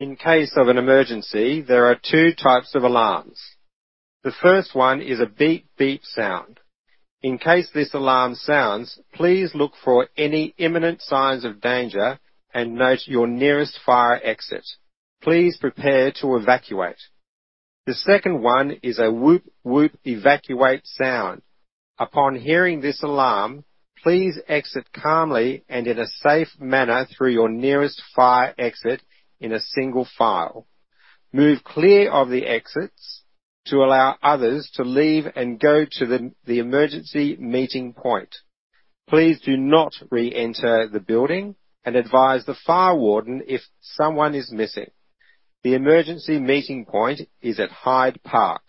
In case of an emergency, there are two types of alarms. The first one is a beep sound. In case this alarm sounds, please look for any imminent signs of danger and note your nearest fire exit. Please prepare to evacuate. The second one is a whoop evacuate sound. Upon hearing this alarm, please exit calmly and in a safe manner through your nearest fire exit in a single file. Move clear of the exits to allow others to leave and go to the emergency meeting point. Please do not re-enter the building and advise the fire warden if someone is missing. The emergency meeting point is at Hyde Park.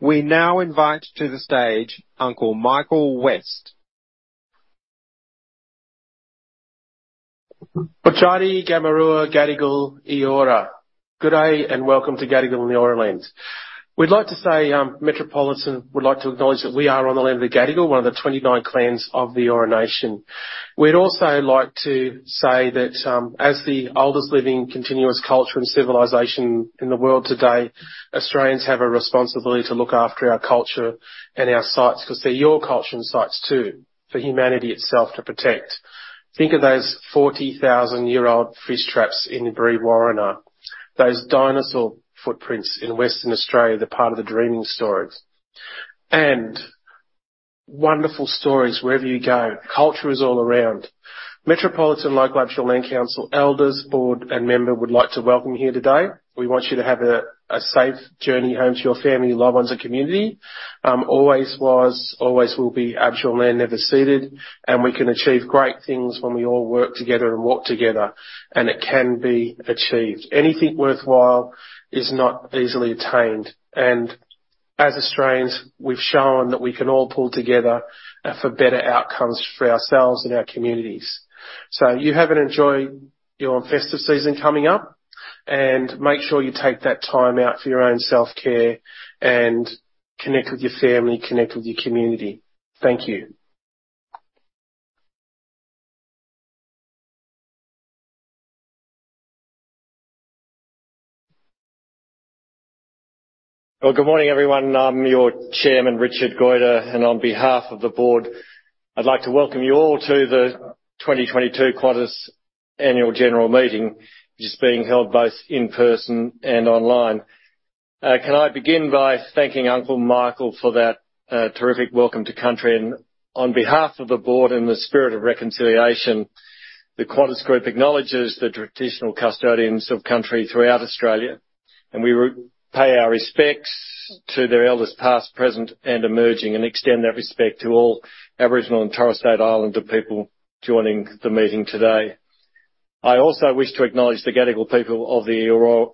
We now invite to the stage Uncle Michael West. Good day and welcome to Gadigal in the Eora lands. We'd like to say, Metropolitan would like to acknowledge that we are on the land of the Gadigal, one of the 29 clans of the Eora Nation. We'd also like to say that, as the oldest living continuous culture and civilization in the world today, Australians have a responsibility to look after our culture and our sites 'cause they're your culture and sites too, for humanity itself to protect. Think of those 40,000-year-old fish traps in Brewarrina, those dinosaur footprints in Western Australia, they're part of the dreaming stories, and wonderful stories wherever you go. Culture is all around. Metropolitan Local Aboriginal Land Council elders, board, and member would like to welcome you here today. We want you to have a safe journey home to your family, loved ones, and community. Always was, always will be Aboriginal land, never ceded, and we can achieve great things when we all work together and walk together, and it can be achieved. Anything worthwhile is not easily attained. As Australians, we've shown that we can all pull together, for better outcomes for ourselves and our communities. You have and enjoy your festive season coming up, and make sure you take that time out for your own self-care and connect with your family, connect with your community. Thank you. Well, good morning, everyone. I'm your Chairman, Richard Goyder, and on behalf of the board, I'd like to welcome you all to the 2022 Qantas Annual General Meeting, which is being held both in person and online. Can I begin by thanking Uncle Michael for that terrific welcome to Country? On behalf of the board, in the spirit of reconciliation, the Qantas Group acknowledges the traditional custodians of Country throughout Australia, and we pay our respects to their elders past, present, and emerging, and extend that respect to all Aboriginal and Torres Strait Islander people joining the meeting today. I also wish to acknowledge the Gadigal people of the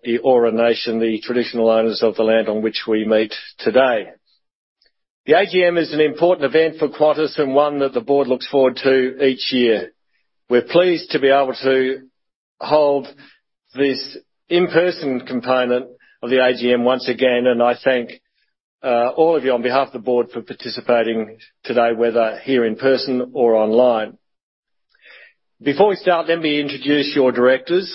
Eora Nation, the traditional owners of the land on which we meet today. The AGM is an important event for Qantas and one that the board looks forward to each year. We're pleased to be able to hold this in-person component of the AGM once again, and I thank all of you on behalf of the board for participating today, whether here in person or online. Before we start, let me introduce your directors.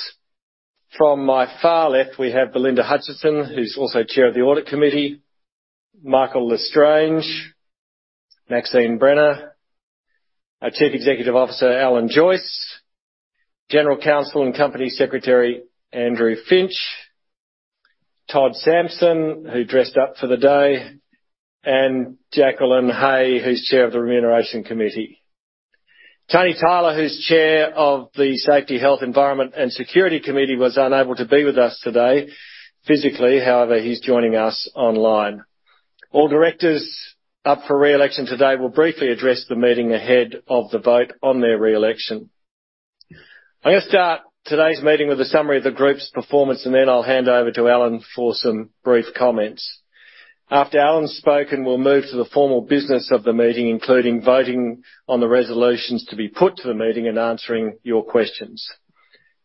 From my far left, we have Belinda Hutchinson, who's also Chair of the Audit Committee. Michael L'Estrange. Maxine Brenner. Our Chief Executive Officer, Alan Joyce. General Counsel and Company Secretary, Andrew Finch. Todd Sampson, who dressed up for the day, and Jacqueline Hey, who's Chair of the Remuneration Committee. Tony Tyler, who's Chair of the Safety, Health, Environment and Security Committee, was unable to be with us today physically, however, he's joining us online. All directors up for re-election today will briefly address the meeting ahead of the vote on their re-election. I'm gonna start today's meeting with a summary of the group's performance and then I'll hand over to Alan for some brief comments. After Alan's spoken, we'll move to the formal business of the meeting, including voting on the resolutions to be put to the meeting and answering your questions.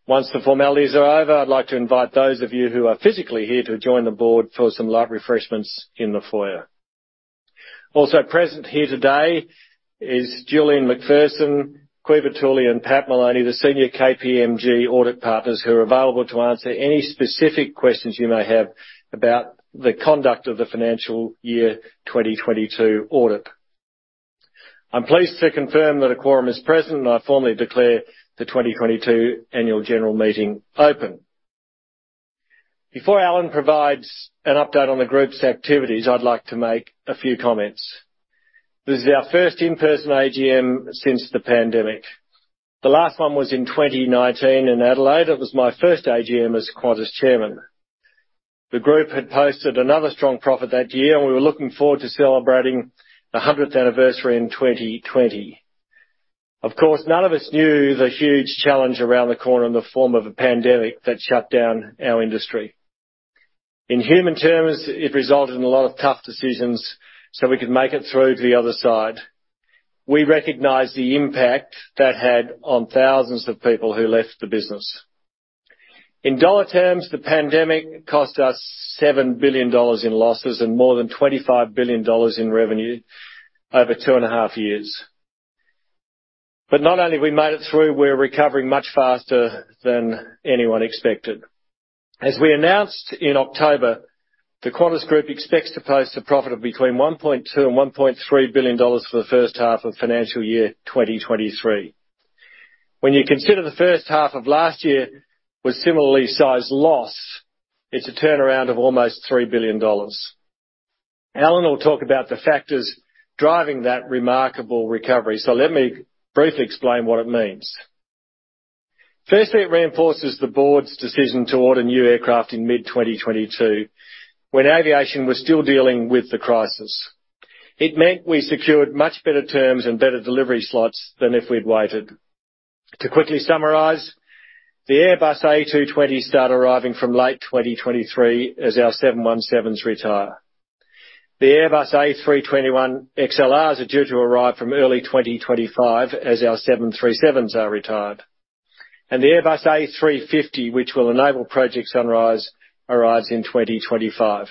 Once the formalities are over, I'd like to invite those of you who are physically here to join the board for some light refreshments in the foyer. Also present here today is Julian McPherson, Caoimhe Tullio, Patrick Maloney, the senior KPMG audit partners who are available to answer any specific questions you may have about the conduct of the financial year 2022 audit. I'm pleased to confirm that a quorum is present, and I formally declare the 2022 Annual General Meeting open. Before Alan provides an update on the group's activities, I'd like to make a few comments. This is our first in-person AGM since the pandemic. The last one was in 2019 in Adelaide. It was my first AGM as Qantas chairman. The group had posted another strong profit that year, and we were looking forward to celebrating the 100th anniversary in 2020. Of course, none of us knew the huge challenge around the corner in the form of a pandemic that shut down our industry. In human terms, it resulted in a lot of tough decisions so we could make it through to the other side. We recognize the impact that had on thousands of people who left the business. In dollar terms, the pandemic cost us 7 billion dollars in losses and more than 25 billion dollars in revenue over 2.5 years. Not only we made it through, we're recovering much faster than anyone expected. As we announced in October, the Qantas Group expects to post a profit of between 1.2 billion and 1.3 billion dollars for the first half of financial year 2023. When you consider the first half of last year was similarly sized loss, it's a turnaround of almost 3 billion dollars. Alan will talk about the factors driving that remarkable recovery, so let me briefly explain what it means. Firstly, it reinforces the board's decision to order new aircraft in mid-2022 when aviation was still dealing with the crisis. It meant we secured much better terms and better delivery slots than if we'd waited. To quickly summarize, the Airbus A220 start arriving from late 2023 as our 717s retire. The Airbus A321XLRs are due to arrive from early 2025 as our 737s are retired. The Airbus A350, which will enable Project Sunrise, arrives in 2025.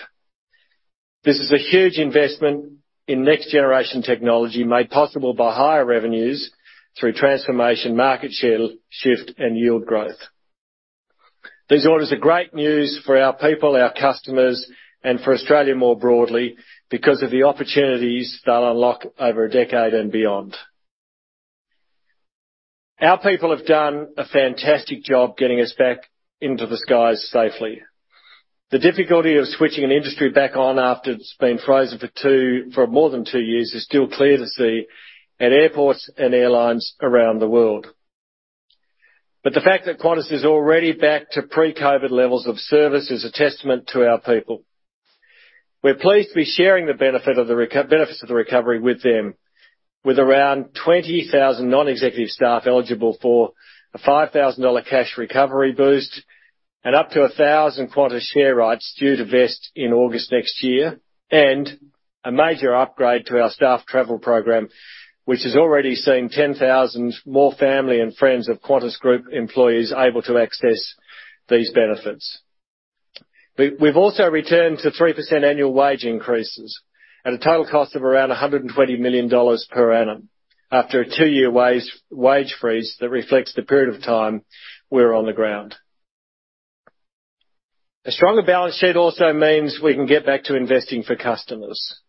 This is a huge investment in next-generation technology made possible by higher revenues through transformation, market share shift, and yield growth. These orders are great news for our people, our customers, and for Australia more broadly because of the opportunities they'll unlock over a decade and beyond. Our people have done a fantastic job getting us back into the skies safely. The difficulty of switching an industry back on after it's been frozen for more than two years is still clear to see at airports and airlines around the world. The fact that Qantas is already back to pre-COVID levels of service is a testament to our people. We're pleased to be sharing the benefits of the recovery with around 20,000 non-executive staff eligible for a 5,000 dollar cash recovery boost and up to 1,000 Qantas share rights due to vest in August next year, and a major upgrade to our staff travel program, which has already seen 10,000 more family and friends of Qantas Group employees able to access these benefits. We've also returned to 3% annual wage increases at a total cost of around 120 million dollars per annum after a two-year wage freeze that reflects the period of time we were on the ground. A stronger balance sheet also means we can get back to investing for customers.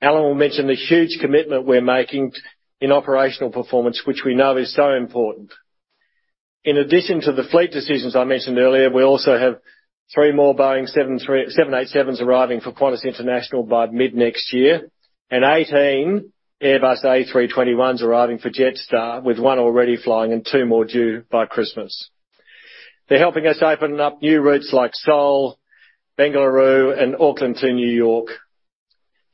Alan will mention the huge commitment we're making in operational performance, which we know is so important. In addition to the fleet decisions I mentioned earlier, we also have three more Boeing 787s arriving for Qantas International by mid-next year and 18 Airbus A321s arriving for Jetstar, with one already flying and two more due by Christmas. They're helping us open up new routes like Seoul, Bengaluru, and Auckland to New York.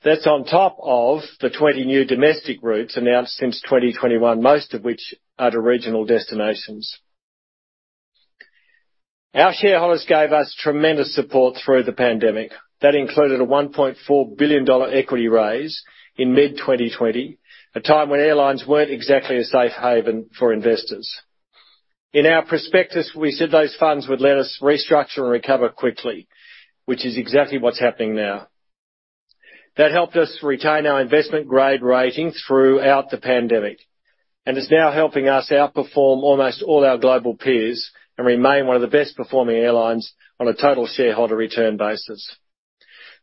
That's on top of the 20 new domestic routes announced since 2021, most of which are to regional destinations. Our shareholders gave us tremendous support through the pandemic. That included a 1.4 billion dollar equity raise in mid-2020, a time when airlines weren't exactly a safe haven for investors. In our prospectus, we said those funds would let us restructure and recover quickly, which is exactly what's happening now. That helped us retain our investment grade rating throughout the pandemic, and is now helping us outperform almost all our global peers and remain one of the best-performing airlines on a total shareholder return basis.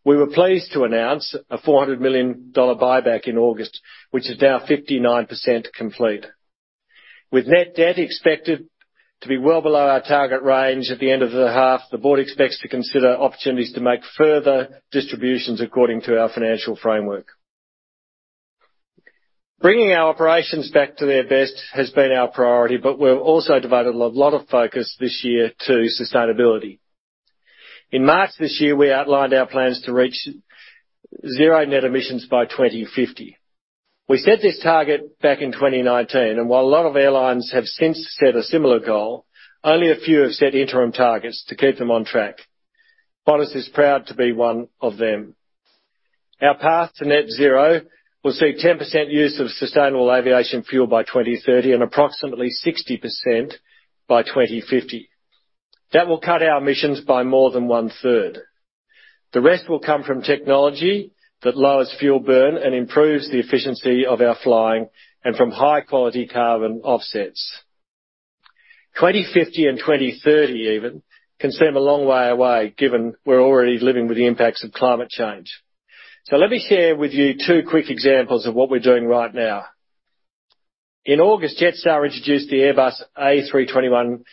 We were pleased to announce a 400 million dollar buyback in August, which is now 59% complete. With net debt expected to be well below our target range at the end of the half, the board expects to consider opportunities to make further distributions according to our financial framework. Bringing our operations back to their best has been our priority, but we've also devoted a lot of focus this year to sustainability. In March this year, we outlined our plans to reach zero net emissions by 2050. We set this target back in 2019, and while a lot of airlines have since set a similar goal, only a few have set interim targets to keep them on track. Qantas is proud to be one of them. Our path to net zero will see 10% use of sustainable aviation fuel by 2030 and approximately 60% by 2050. That will cut our emissions by more than one-third. The rest will come from technology that lowers fuel burn and improves the efficiency of our flying and from high-quality carbon offsets. 2050 and 2030 even can seem a long way away given we're already living with the impacts of climate change. Let me share with you two quick examples of what we're doing right now. In August, Jetstar introduced the Airbus A321LR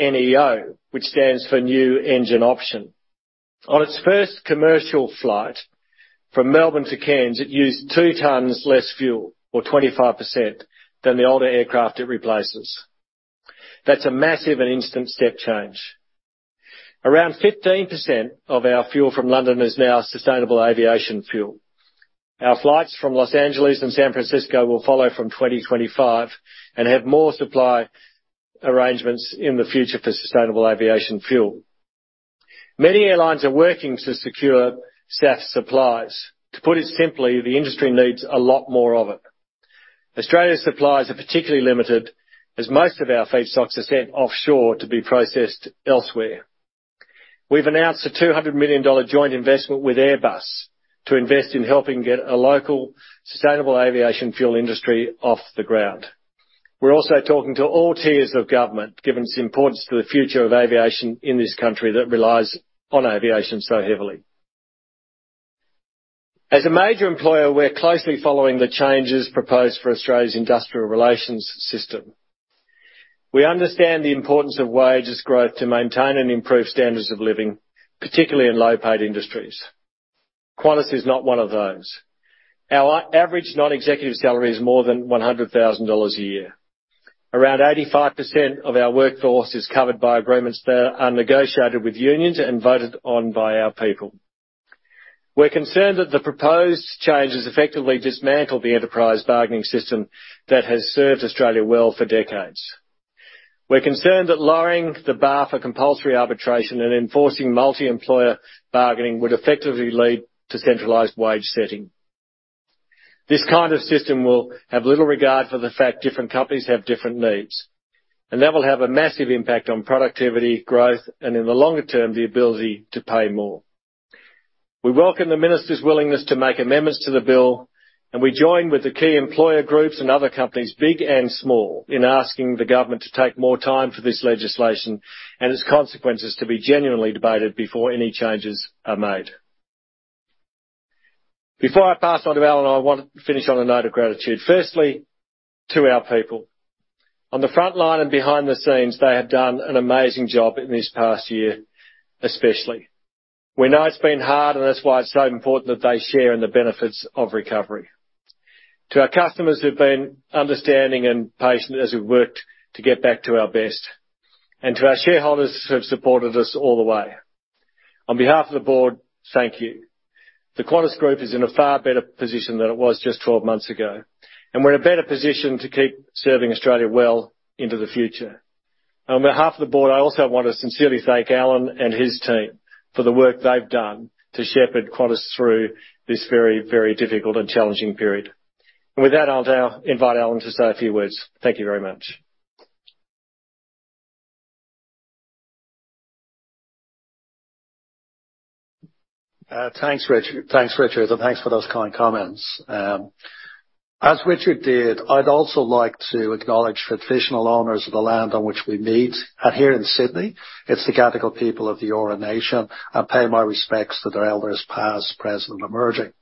NEO, which stands for New Engine Option. On its first commercial flight from Melbourne to Cairns, it used 2 tons less fuel, or 25%, than the older aircraft it replaces. That's a massive and instant step change. Around 15% of our fuel from London is now sustainable aviation fuel. Our flights from Los Angeles and San Francisco will follow from 2025 and have more supply arrangements in the future for sustainable aviation fuel. Many airlines are working to secure SAF supplies. To put it simply, the industry needs a lot more of it. Australia's supplies are particularly limited as most of our feedstocks are sent offshore to be processed elsewhere. We've announced a 200 million dollar joint investment with Airbus to invest in helping get a local sustainable aviation fuel industry off the ground. We're also talking to all tiers of government, given its importance to the future of aviation in this country that relies on aviation so heavily. As a major employer, we're closely following the changes proposed for Australia's industrial relations system. We understand the importance of wages growth to maintain and improve standards of living, particularly in low-paid industries. Qantas is not one of those. Our average non-executive salary is more than 100,000 dollars a year. Around 85% of our workforce is covered by agreements that are negotiated with unions and voted on by our people. We're concerned that the proposed changes effectively dismantle the enterprise bargaining system that has served Australia well for decades. We're concerned that lowering the bar for compulsory arbitration and enforcing multi-employer bargaining would effectively lead to centralized wage setting. This kind of system will have little regard for the fact different companies have different needs, and that will have a massive impact on productivity, growth, and in the longer term, the ability to pay more. We welcome the minister's willingness to make amendments to the bill, and we join with the key employer groups and other companies, big and small, in asking the government to take more time for this legislation and its consequences to be genuinely debated before any changes are made. Before I pass on to Alan, I want to finish on a note of gratitude. Firstly, to our people. On the front line and behind the scenes, they have done an amazing job in this past year, especially. We know it's been hard, and that's why it's so important that they share in the benefits of recovery. To our customers who've been understanding and patient as we've worked to get back to our best, and to our shareholders who have supported us all the way. On behalf of the board, thank you. The Qantas Group is in a far better position than it was just 12 months ago, and we're in a better position to keep serving Australia well into the future. On behalf of the board, I also want to sincerely thank Alan and his team for the work they've done to shepherd Qantas through this very, very difficult and challenging period. With that, I'll now invite Alan to say a few words. Thank you very much. Thanks, Richard, and thanks for those kind comments. As Richard did, I'd also like to acknowledge traditional owners of the land on which we meet, and here in Sydney, it's the Gadigal people of the Eora Nation, and pay my respects to their elders past, present, and emerging.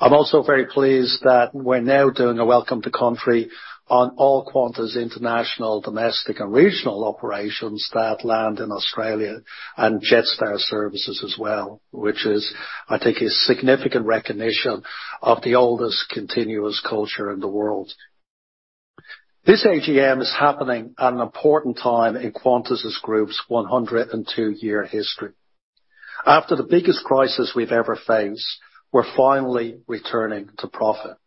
I'm also very pleased that we're now doing a Welcome to Country on all Qantas international, domestic, and regional operations that land in Australia and Jetstar services as well, which is, I think, a significant recognition of the oldest continuous culture in the world. This AGM is happening at an important time in Qantas Group's 102-year history. After the biggest crisis we've ever faced, we're finally returning to profit.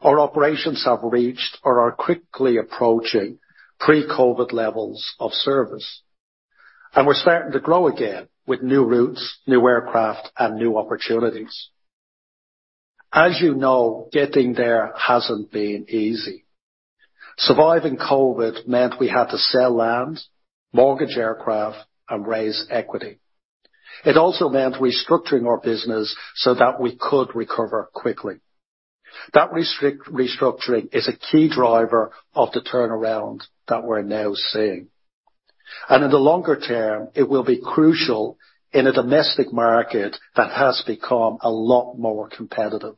Our operations have reached or are quickly approaching pre-COVID levels of service, and we're starting to grow again with new routes, new aircraft, and new opportunities. As you know, getting there hasn't been easy. Surviving COVID meant we had to sell land, mortgage aircraft, and raise equity. It also meant restructuring our business so that we could recover quickly. That restructuring is a key driver of the turnaround that we're now seeing. In the longer term, it will be crucial in a domestic market that has become a lot more competitive.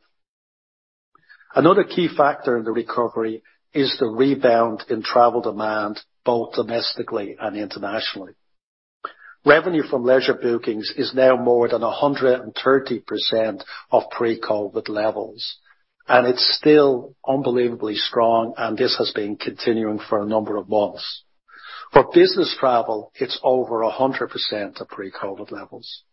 Another key factor in the recovery is the rebound in travel demand, both domestically and internationally. Revenue from leisure bookings is now more than 130% of pre-COVID levels, and it's still unbelievably strong, and this has been continuing for a number of months. For business travel, it's over 100% of pre-COVID levels.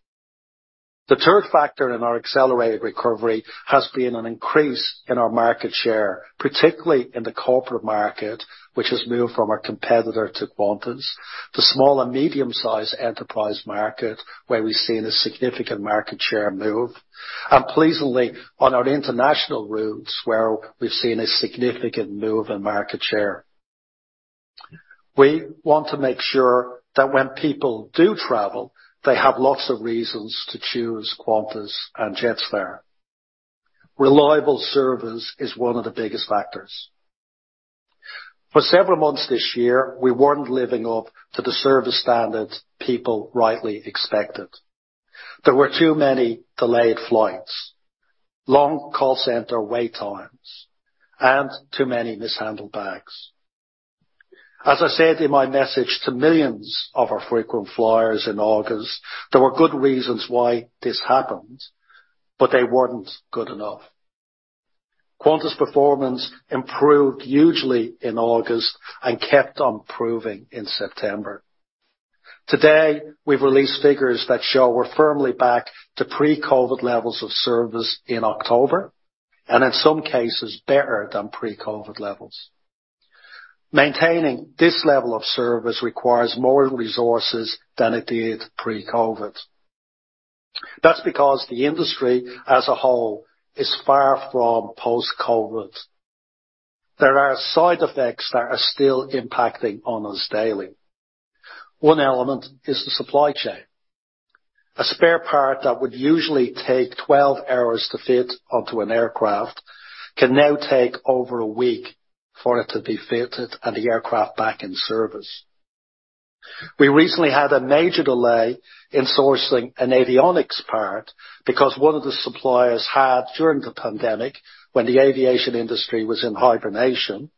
The third factor in our accelerated recovery has been an increase in our market share, particularly in the corporate market, which has moved from competitors to Qantas to small and medium-sized enterprise market, where we've seen a significant market share move. Pleasingly, on our international routes, where we've seen a significant move in market share. We want to make sure that when people do travel, they have lots of reasons to choose Qantas and Jetstar. Reliable service is one of the biggest factors. For several months this year, we weren't living up to the service standards people rightly expected. There were too many delayed flights, long call center wait times, and too many mishandled bags. As I said in my message to millions of our frequent flyers in August, there were good reasons why this happened, but they weren't good enough. Qantas performance improved hugely in August and kept on improving in September. Today, we've released figures that show we're firmly back to pre-COVID levels of service in October, and in some cases better than pre-COVID levels. Maintaining this level of service requires more resources than it did pre-COVID. That's because the industry as a whole is far from post-COVID. There are side effects that are still impacting on us daily. One element is the supply chain. A spare part that would usually take 12 hours to fit onto an aircraft can now take over a week for it to be fitted and the aircraft back in service. We recently had a major delay in sourcing an avionics part because one of the suppliers had during the pandemic, when the aviation industry was in hibernation,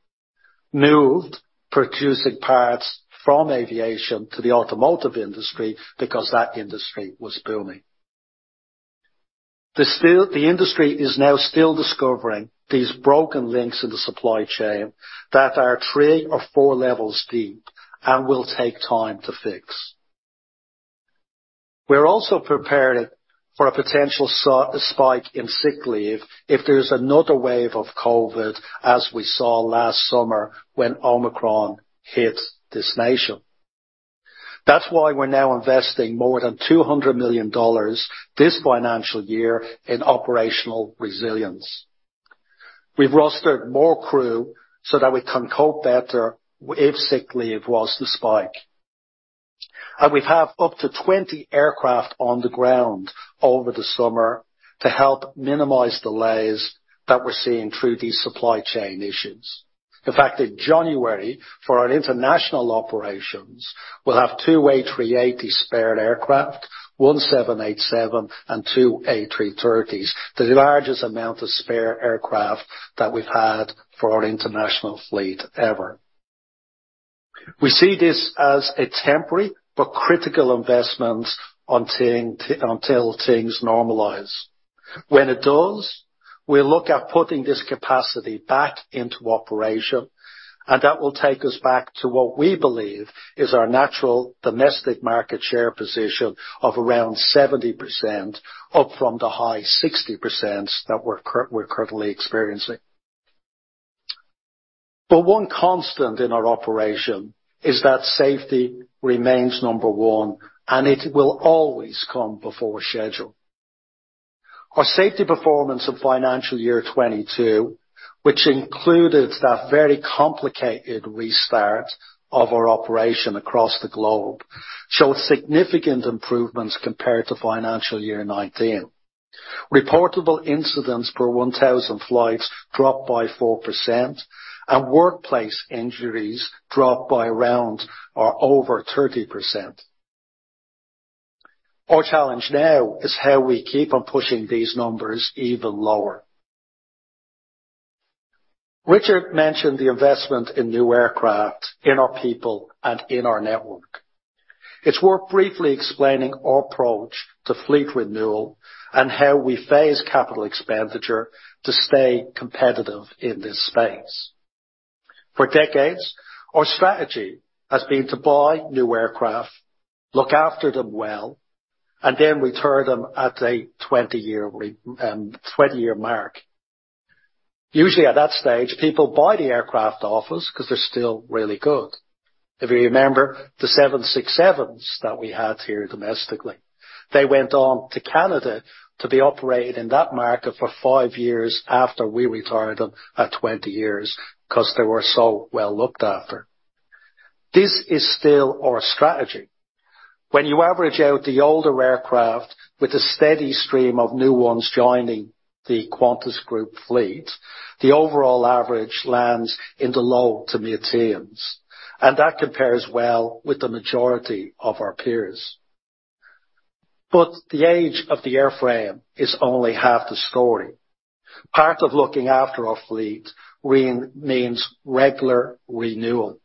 moved producing parts from aviation to the automotive industry because that industry was booming. The industry is now still discovering these broken links in the supply chain that are three or four levels deep and will take time to fix. We're also prepared for a potential spike in sick leave if there's another wave of COVID, as we saw last summer when Omicron hit this nation. That's why we're now investing more than 200 million dollars this financial year in operational resilience. We've rostered more crew so that we can cope better if sick leave was to spike. We have up to 20 aircraft on the ground over the summer to help minimize delays that we're seeing through these supply chain issues. In fact, in January, for our international operations, we'll have two A380 spare aircraft, one 787, and two A330s. The largest amount of spare aircraft that we've had for our international fleet ever. We see this as a temporary but critical investment until things normalize. When it does, we'll look at putting this capacity back into operation, and that will take us back to what we believe is our natural domestic market share position of around 70%, up from the high 60% that we're currently experiencing. One constant in our operation is that safety remains number one, and it will always come before schedule. Our safety performance of financial year 2022, which included that very complicated restart of our operation across the globe, showed significant improvements compared to financial year 2019. Reportable incidents per 1,000 flights dropped by 4% and workplace injuries dropped by around or over 30%. Our challenge now is how we keep on pushing these numbers even lower. Richard mentioned the investment in new aircraft, in our people, and in our network. It's worth briefly explaining our approach to fleet renewal and how we phase capital expenditure to stay competitive in this space. For decades, our strategy has been to buy new aircraft, look after them well, and then retire them at a 20-year mark. Usually at that stage, people buy the aircraft off us 'cause they're still really good. If you remember the 767s that we had here domestically, they went on to Canada to be operated in that market for five years after we retired them at 20 years 'cause they were so well looked after. This is still our strategy. When you average out the older aircraft with a steady stream of new ones joining the Qantas Group fleet, the overall average lands in the low to mid-teens, and that compares well with the majority of our peers. The age of the airframe is only half the story. Part of looking after our fleet means regular renewal.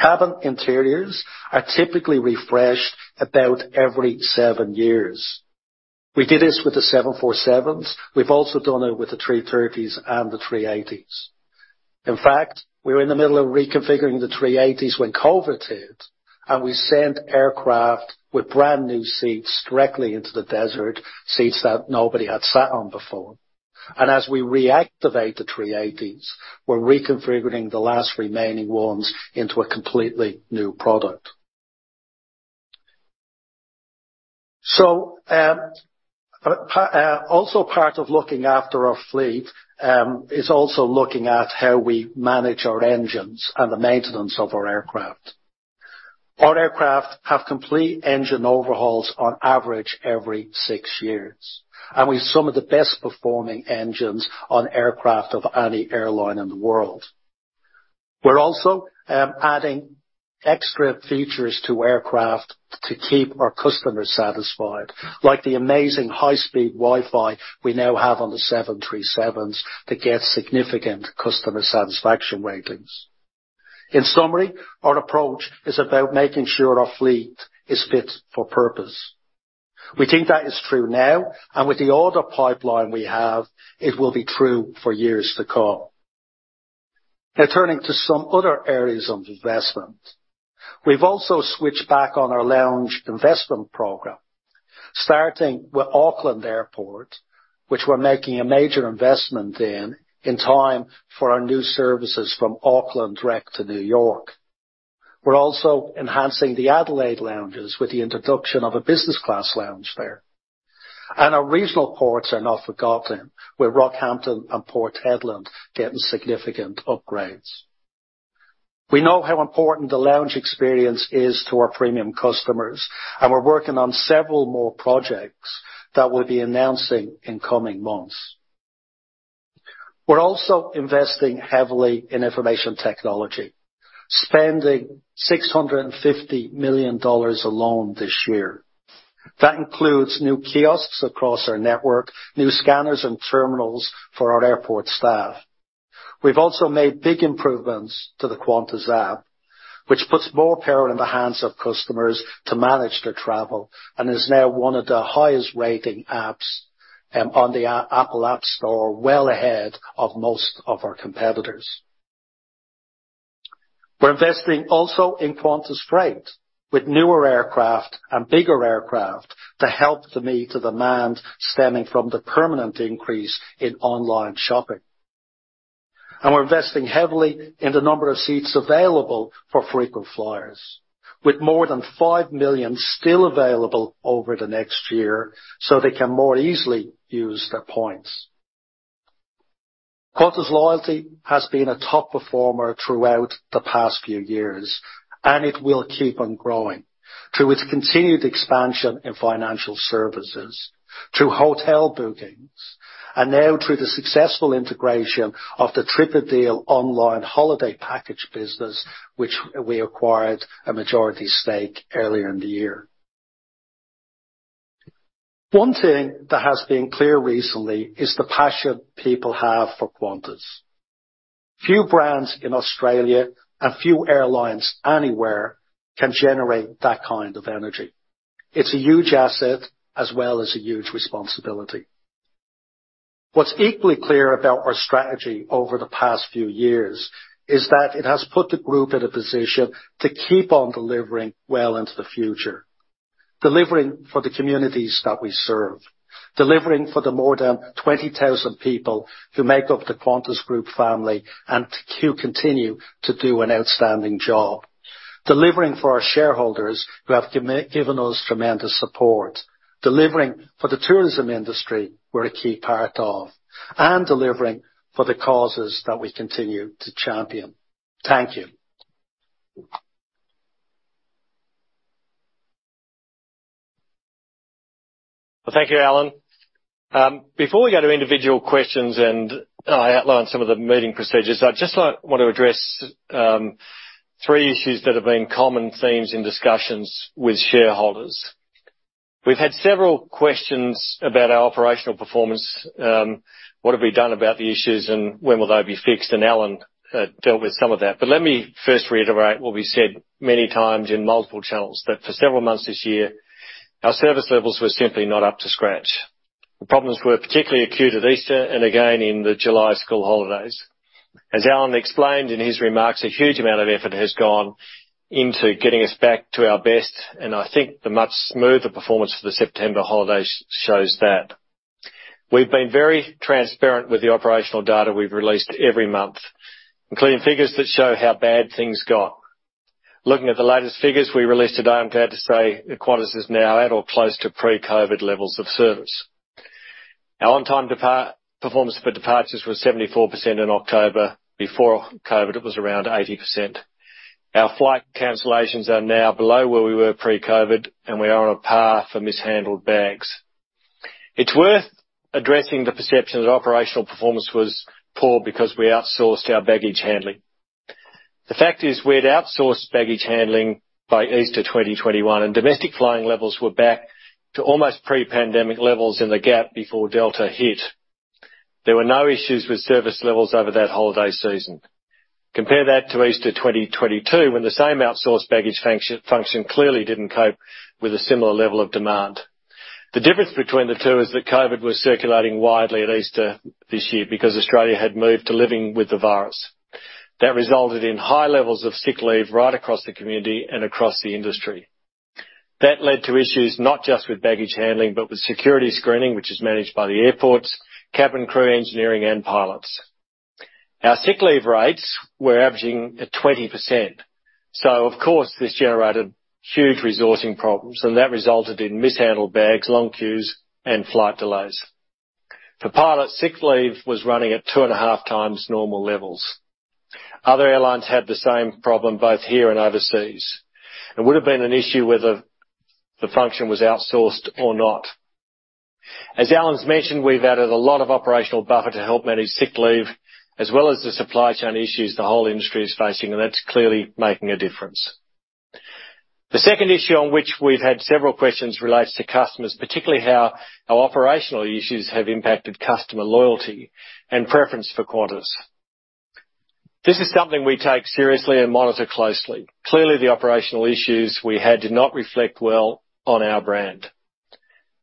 Cabin interiors are typically refreshed about every seven years. We did this with the 747s. We've also done it with the 330s and the 380s. In fact, we were in the middle of reconfiguring the 380s when COVID hit, and we sent aircraft with brand-new seats directly into the desert, seats that nobody had sat on before. As we reactivate the 380s, we're reconfiguring the last remaining ones into a completely new product. Also part of looking after our fleet is also looking at how we manage our engines and the maintenance of our aircraft. Our aircraft have complete engine overhauls on average every six years, and we've some of the best performing engines on aircraft of any airline in the world. We're also adding extra features to aircraft to keep our customers satisfied, like the amazing high-speed Wi-Fi we now have on the 737s that get significant customer satisfaction ratings. In summary, our approach is about making sure our fleet is fit for purpose. We think that is true now, and with the order pipeline we have, it will be true for years to come. Now turning to some other areas of investment. We've also switched back on our lounge investment program. Starting with Auckland Airport, which we're making a major investment in time for our new services from Auckland direct to New York. We're also enhancing the Adelaide lounges with the introduction of a business class lounge there. Our regional ports are not forgotten, with Rockhampton and Port Hedland getting significant upgrades. We know how important the lounge experience is to our premium customers, and we're working on several more projects that we'll be announcing in coming months. We're also investing heavily in information technology, spending 650 million dollars alone this year. That includes new kiosks across our network, new scanners and terminals for our airport staff. We've also made big improvements to the Qantas App, which puts more power in the hands of customers to manage their travel, and is now one of the highest-rating apps on the Apple App Store, well ahead of most of our competitors. We're investing also in Qantas Freight with newer aircraft and bigger aircraft to help to meet the demand stemming from the permanent increase in online shopping. We're investing heavily in the number of seats available for frequent flyers, with more than five million still available over the next year, so they can more easily use their points. Qantas Loyalty has been a top performer throughout the past few years, and it will keep on growing through its continued expansion in financial services, through hotel bookings, and now through the successful integration of the TripADeal online holiday package business, which we acquired a majority stake earlier in the year. One thing that has been clear recently is the passion people have for Qantas. Few brands in Australia and few airlines anywhere can generate that kind of energy. It's a huge asset as well as a huge responsibility. What's equally clear about our strategy over the past few years is that it has put the group in a position to keep on delivering well into the future. Delivering for the communities that we serve, delivering for the more than 20,000 people who make up the Qantas Group family and who continue to do an outstanding job. Delivering for our shareholders who have given us tremendous support, delivering for the tourism industry we're a key part of, and delivering for the causes that we continue to champion. Thank you. Well, thank you, Alan. Before we go to individual questions and I outline some of the meeting procedures, I'd just like to address three issues that have been common themes in discussions with shareholders. We've had several questions about our operational performance, what have we done about the issues and when will they be fixed? Alan dealt with some of that. Let me first reiterate what we said many times in multiple channels that for several months this year, our service levels were simply not up to scratch. The problems were particularly acute at Easter and again in the July school holidays. As Alan explained in his remarks, a huge amount of effort has gone into getting us back to our best, and I think the much smoother performance for the September holiday shows that. We've been very transparent with the operational data we've released every month, including figures that show how bad things got. Looking at the latest figures we released today, I'm glad to say that Qantas is now at or close to pre-COVID levels of service. Our on-time performance for departures was 74% in October. Before COVID, it was around 80%. Our flight cancellations are now below where we were pre-COVID, and we are on a par for mishandled bags. It's worth addressing the perception that operational performance was poor because we outsourced our baggage handling. The fact is we'd outsourced baggage handling by Easter 2021, and domestic flying levels were back to almost pre-pandemic levels in the gap before Delta hit. There were no issues with service levels over that holiday season. Compare that to Easter 2022, when the same outsourced baggage function clearly didn't cope with a similar level of demand. The difference between the two is that COVID was circulating widely at Easter this year because Australia had moved to living with the virus. That resulted in high levels of sick leave right across the community and across the industry. That led to issues not just with baggage handling, but with security screening, which is managed by the airports, cabin crew, engineering, and pilots. Our sick leave rates were averaging at 20%. This generated huge resourcing problems, and that resulted in mishandled bags, long queues, and flight delays. For pilots, sick leave was running at 2.5 times normal levels. Other airlines had the same problem, both here and overseas. It would have been an issue whether the function was outsourced or not. As Alan's mentioned, we've added a lot of operational buffer to help manage sick leave, as well as the supply chain issues the whole industry is facing, and that's clearly making a difference. The second issue on which we've had several questions relates to customers, particularly how operational issues have impacted customer loyalty and preference for Qantas. This is something we take seriously and monitor closely. Clearly, the operational issues we had did not reflect well on our brand.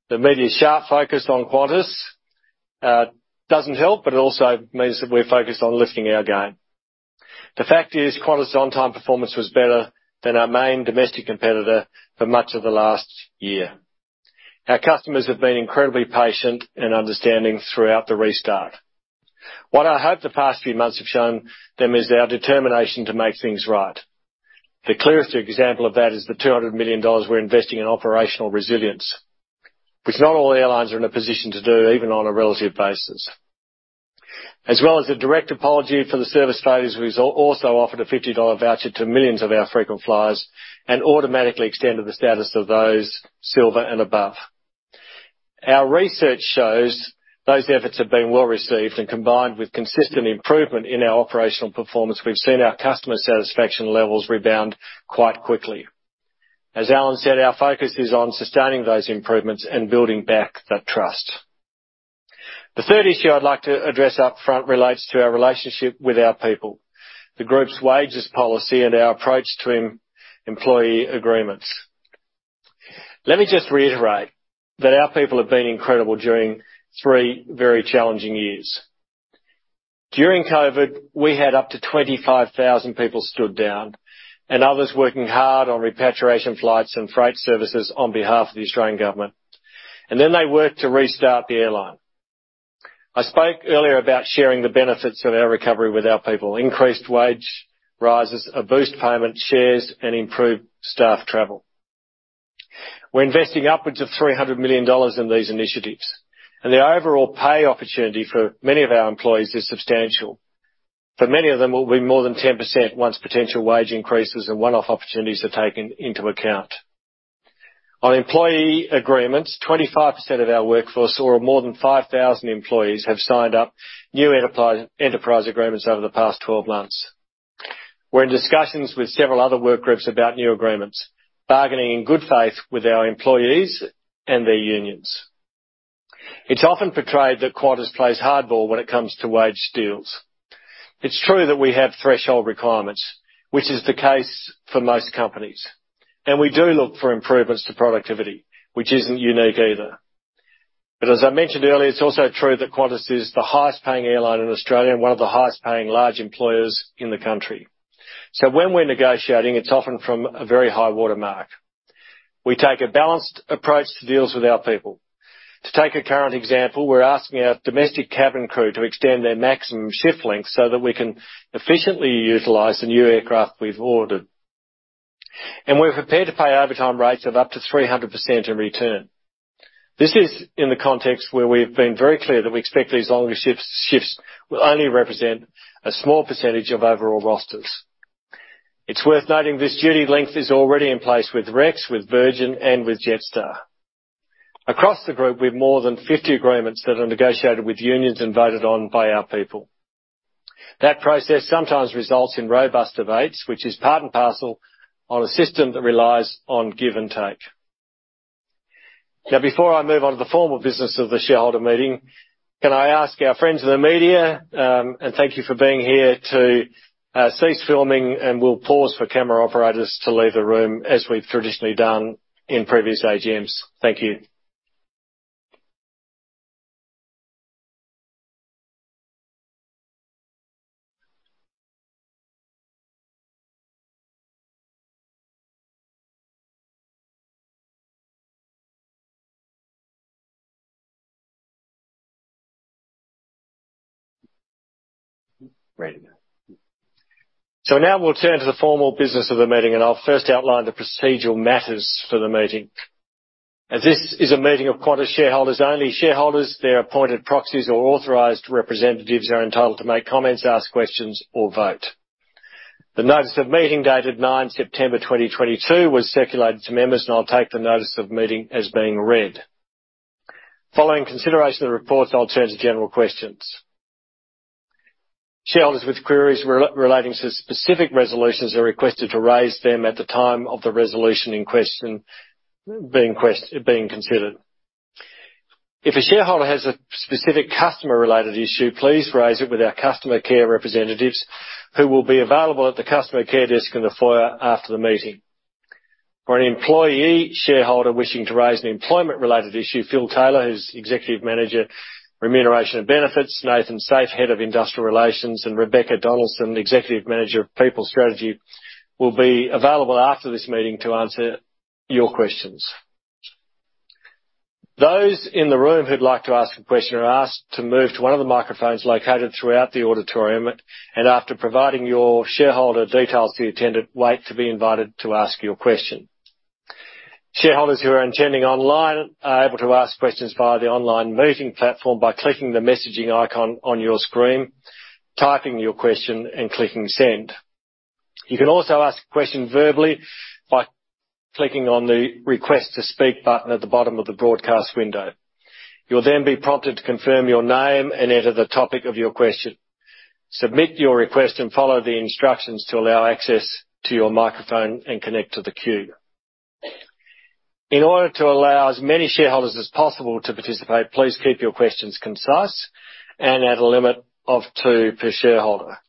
The media's sharp focus on Qantas doesn't help, but it also means that we're focused on lifting our game. The fact is Qantas' on-time performance was better than our main domestic competitor for much of the last year. Our customers have been incredibly patient and understanding throughout the restart. What I hope the past few months have shown them is our determination to make things right. The clearest example of that is the 200 million dollars we're investing in operational resilience, which not all airlines are in a position to do, even on a relative basis. As well as the direct apology for the service failures, we've also offered an 50 dollar voucher to millions of our frequent flyers and automatically extended the status of those silver and above. Our research shows those efforts have been well-received, and combined with consistent improvement in our operational performance, we've seen our customer satisfaction levels rebound quite quickly. As Alan said, our focus is on sustaining those improvements and building back that trust. The third issue I'd like to address up front relates to our relationship with our people, the group's wages policy, and our approach to employee agreements. Let me just reiterate that our people have been incredible during three very challenging years. During COVID, we had up to 25,000 people stood down and others working hard on repatriation flights and freight services on behalf of the Australian government, and then they worked to restart the airline. I spoke earlier about sharing the benefits of our recovery with our people, increased wage rises, a boost payment, shares, and improved staff travel. We're investing upwards of 300 million dollars in these initiatives, and the overall pay opportunity for many of our employees is substantial. For many of them, it will be more than 10% once potential wage increases and one-off opportunities are taken into account. On employee agreements, 25% of our workforce, or more than 5,000 employees, have signed up new enterprise agreements over the past 12 months. We're in discussions with several other work groups about new agreements, bargaining in good faith with our employees and their unions. It's often portrayed that Qantas plays hardball when it comes to wage deals. It's true that we have threshold requirements, which is the case for most companies, and we do look for improvements to productivity, which isn't unique either. As I mentioned earlier, it's also true that Qantas is the highest-paying airline in Australia and one of the highest-paying large employers in the country. When we're negotiating, it's often from a very high watermark. We take a balanced approach to deals with our people. To take a current example, we're asking our domestic cabin crew to extend their maximum shift length so that we can efficiently utilize the new aircraft we've ordered, and we're prepared to pay overtime rates of up to 300% in return. This is in the context where we've been very clear that we expect these longer shifts will only represent a small percentage of overall rosters. It's worth noting this duty length is already in place with Rex, with Virgin, and with Jetstar. Across the group, we have more than 50 agreements that are negotiated with unions and voted on by our people. That process sometimes results in robust debates, which is part and parcel on a system that relies on give and take. Now, before I move on to the formal business of the shareholder meeting, can I ask our friends in the media, and thank you for being here, to cease filming, and we'll pause for camera operators to leave the room, as we've traditionally done in previous AGMs. Thank you. Ready now. Now we'll turn to the formal business of the meeting, and I'll first outline the procedural matters for the meeting. As this is a meeting of Qantas shareholders, only shareholders, their appointed proxies, or authorized representatives are entitled to make comments, ask questions, or vote. The notice of meeting, dated September 9, 2022, was circulated to members, and I'll take the notice of meeting as being read. Following consideration of the reports, I'll turn to general questions. Shareholders with queries relating to specific resolutions are requested to raise them at the time of the resolution in question being considered. If a shareholder has a specific customer-related issue, please raise it with our customer care representatives, who will be available at the customer care desk in the foyer after the meeting. For an employee shareholder wishing to raise an employment-related issue, Phil Taylor, who's Executive Manager, Remuneration and Benefits, Nathan Safe, Head of Industrial Relations, and Rebecca Donaldson, Executive Manager of People Strategy, will be available after this meeting to answer your questions. Those in the room who'd like to ask a question are asked to move to one of the microphones located throughout the auditorium, and after providing your shareholder details to the attendant, wait to be invited to ask your question. Shareholders who are attending online are able to ask questions via the online meeting platform by clicking the messaging icon on your screen, typing your question, and clicking Send. You can also ask a question verbally by clicking on the Request to speak button at the bottom of the broadcast window. You'll then be prompted to confirm your name and enter the topic of your question. Submit your request and follow the instructions to allow access to your microphone and connect to the queue. In order to allow as many shareholders as possible to participate, please keep your questions concise and at a limit of two per shareholder.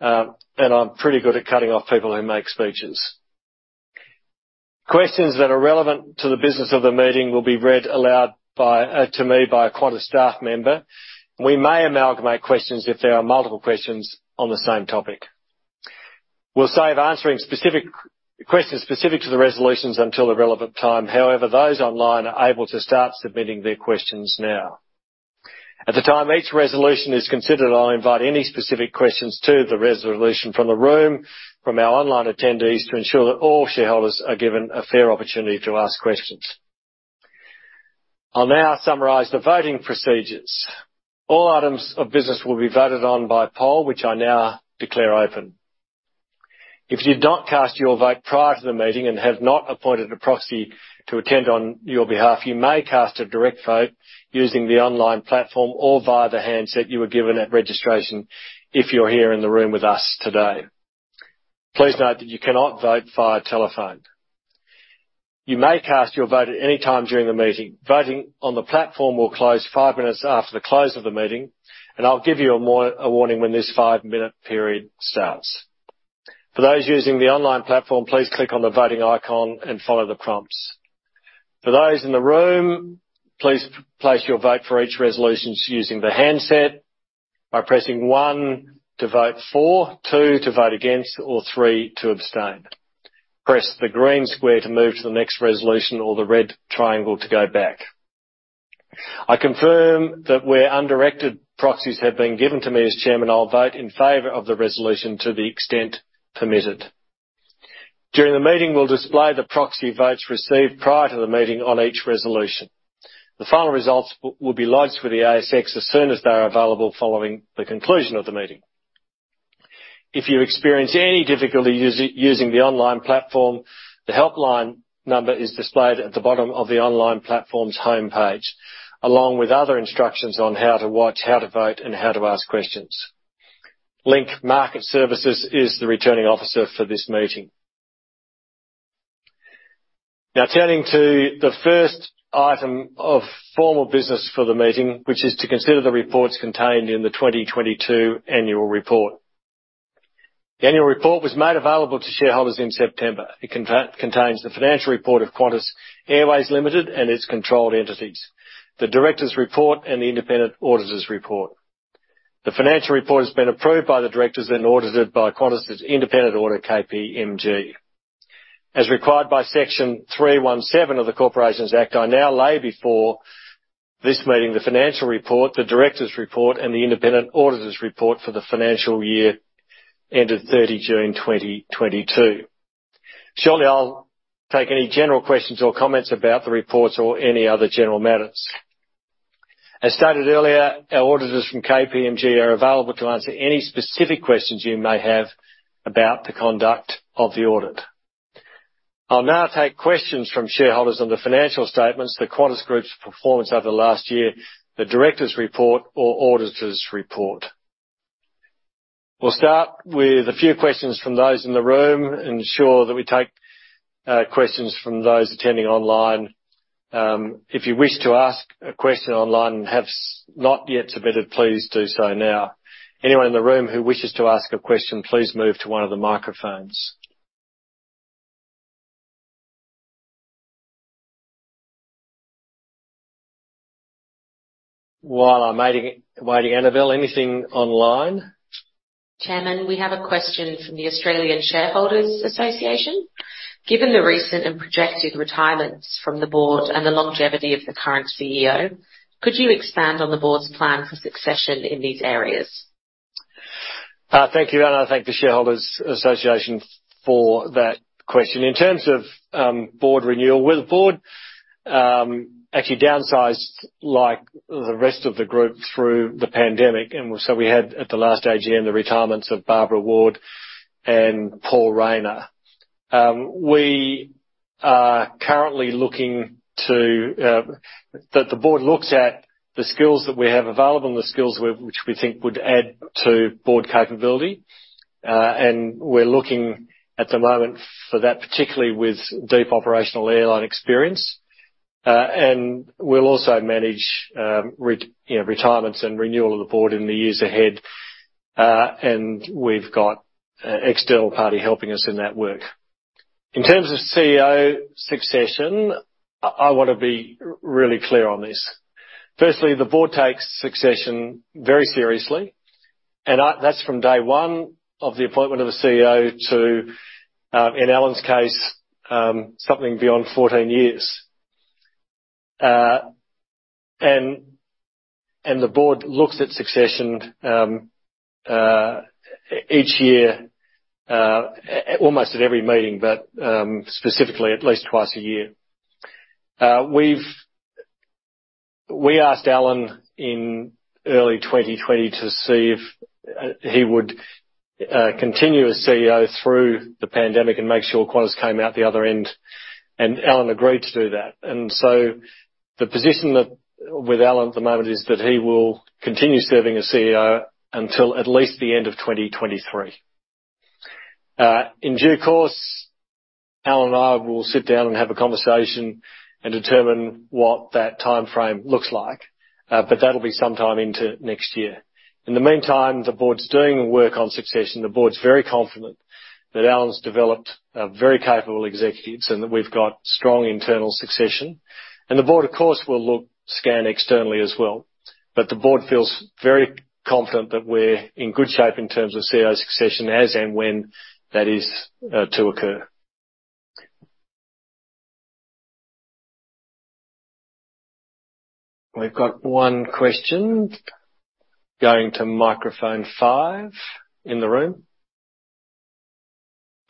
I'm pretty good at cutting off people who make speeches. Questions that are relevant to the business of the meeting will be read aloud to me by a Qantas staff member. We may amalgamate questions if there are multiple questions on the same topic. We'll save answering specific questions to the resolutions until the relevant time. However, those online are able to start submitting their questions now. At the time each resolution is considered, I'll invite any specific questions to the resolution from the room, from our online attendees to ensure that all shareholders are given a fair opportunity to ask questions. I'll now summarize the voting procedures. All items of business will be voted on by poll, which I now declare open. If you did not cast your vote prior to the meeting and have not appointed a proxy to attend on your behalf, you may cast a direct vote using the online platform or via the handset you were given at registration, if you're here in the room with us today. Please note that you cannot vote via telephone. You may cast your vote at any time during the meeting. Voting on the platform will close five minutes after the close of the meeting, and I'll give you a warning when this five-minute period starts. For those using the online platform, please click on the Voting icon and follow the prompts. For those in the room, please place your vote for each resolutions using the handset by pressing one to vote for, two to vote against, or three to abstain. Press the green square to move to the next resolution or the red triangle to go back. I confirm that where undirected proxies have been given to me as chairman, I'll vote in favor of the resolution to the extent permitted. During the meeting, we'll display the proxy votes received prior to the meeting on each resolution. The final results will be lodged with the ASX as soon as they are available following the conclusion of the meeting. If you experience any difficulty using the online platform, the helpline number is displayed at the bottom of the online platform's homepage, along with other instructions on how to watch, how to vote, and how to ask questions. Link Market Services is the returning officer for this meeting. Now, turning to the first item of formal business for the meeting, which is to consider the reports contained in the 2022 annual report. The annual report was made available to shareholders in September. It contains the financial report of Qantas Airways Limited and its controlled entities, the directors' report, and the independent auditors' report. The financial report has been approved by the directors and audited by Qantas's independent auditor, KPMG. As required by Section 317 of the Corporations Act, I now lay before this meeting the financial report, the directors' report, and the independent auditors' report for the financial year ended 30 June 2022. Shortly, I'll take any general questions or comments about the reports or any other general matters. As stated earlier, our auditors from KPMG are available to answer any specific questions you may have about the conduct of the audit. I'll now take questions from shareholders on the financial statements, the Qantas Group's performance over the last year, the directors' report or auditors' report. We'll start with a few questions from those in the room to ensure that we take questions from those attending online. If you wish to ask a question online and have not yet submitted, please do so now. Anyone in the room who wishes to ask a question, please move to one of the microphones. While I'm waiting, Anabel, anything online? Chairman, we have a question from the Australian Shareholders' Association. Given the recent and projected retirements from the board and the longevity of the current CEO, could you expand on the board's plan for succession in these areas? Thank you, Anna. I thank the Shareholders Association for that question. In terms of board renewal, well, the board actually downsized like the rest of the group through the pandemic. We had, at the last AGM, the retirements of Barbara Ward and Paul Rayner. The board looks at the skills that we have available and the skills which we think would add to board capability. We're looking at the moment for that, particularly with deep operational airline experience. We'll also manage retirements and renewal of the board in the years ahead, you know. We've got an external party helping us in that work. In terms of CEO succession, I wanna be really clear on this. Firstly, the board takes succession very seriously, and that's from day one of the appointment of a CEO to, in Alan's case, something beyond 14 years. The board looks at succession each year, at almost every meeting, but specifically at least twice a year. We asked Alan in early 2020 to see if he would continue as CEO through the pandemic and make sure Qantas came out the other end, and Alan agreed to do that. The position that with Alan at the moment is that he will continue serving as CEO until at least the end of 2023. In due course, Alan and I will sit down and have a conversation and determine what that time frame looks like. But that'll be sometime into next year. In the meantime, the board's doing the work on succession. The board's very confident that Alan's developed very capable executives and that we've got strong internal succession. The board, of course, will look, scan externally as well. The board feels very confident that we're in good shape in terms of CEO succession as and when that is to occur. We've got one question going to microphone five in the room.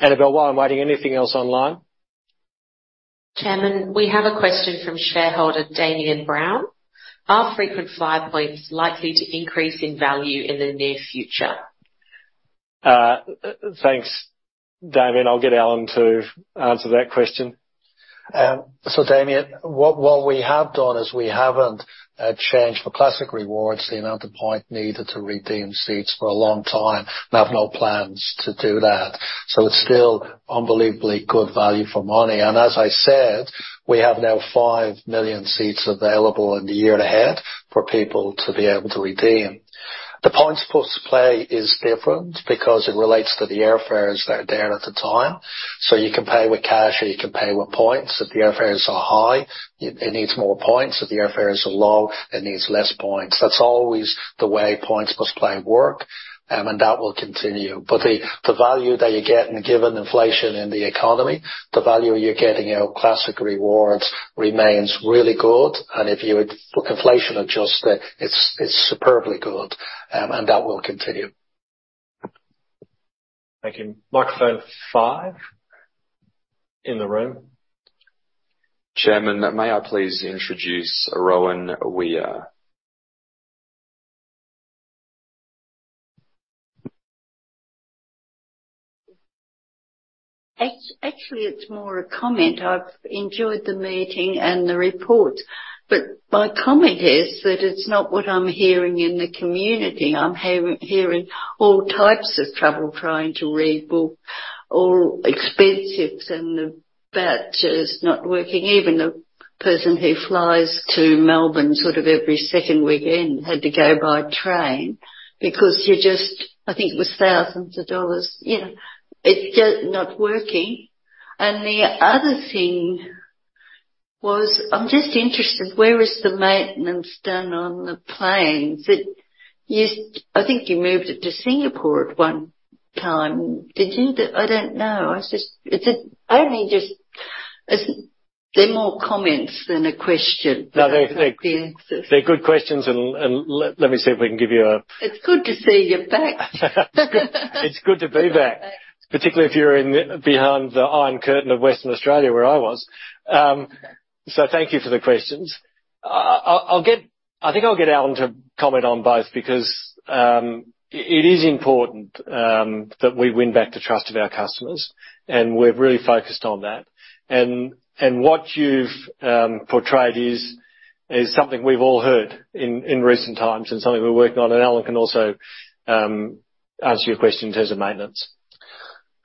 Anabel, while I'm waiting, anything else online? Chairman, we have a question from shareholder Damian Brown. Are frequent flyer points likely to increase in value in the near future? Thanks, Damian. I'll get Alan to answer that question. Damian, what we have done is we haven't changed for classic rewards, the amount of point needed to redeem seats for a long time, and have no plans to do that. It's still unbelievably good value for money. As I said, we have now five million seats available in the year ahead for people to be able to redeem. The Points Plus Pay is different because it relates to the airfares that are there at the time, so you can pay with cash or you can pay with points. If the airfares are high, it needs more points. If the airfares are low, it needs less points. That's always the way Points Plus Pay work, and that will continue. The value that you get, and given inflation in the economy, the value you're getting out of classic rewards remains really good, and if you inflation-adjust it's superbly good. That will continue. Thank you. Microphone five in the room. Chairman, may I please introduce Rowan Weir. Actually,.it's more a comment. I've enjoyed the meeting and the report, but my comment is that it's not what I'm hearing in the community. I'm hearing all types of trouble trying to rebook, or expenses and the batches not working. Even the person who flies to Melbourne sort of every second weekend had to go by train because I think it was thousands of dollars. Yeah. It's just not working. The other thing was, I'm just interested, where is the maintenance done on the planes? I think you moved it to Singapore at one time. Did you? I don't know. They're more comments than a question. No, they're good questions and let me see if we can give you a— It's good to see you back. It's good to be back. Particularly if you're in behind the Iron Curtain of Western Australia where I was. Thank you for the questions. I think I'll get Alan to comment on both because it is important that we win back the trust of our customers, and we're really focused on that. What you've portrayed is something we've all heard in recent times and something we're working on. Alan can also answer your question in terms of maintenance.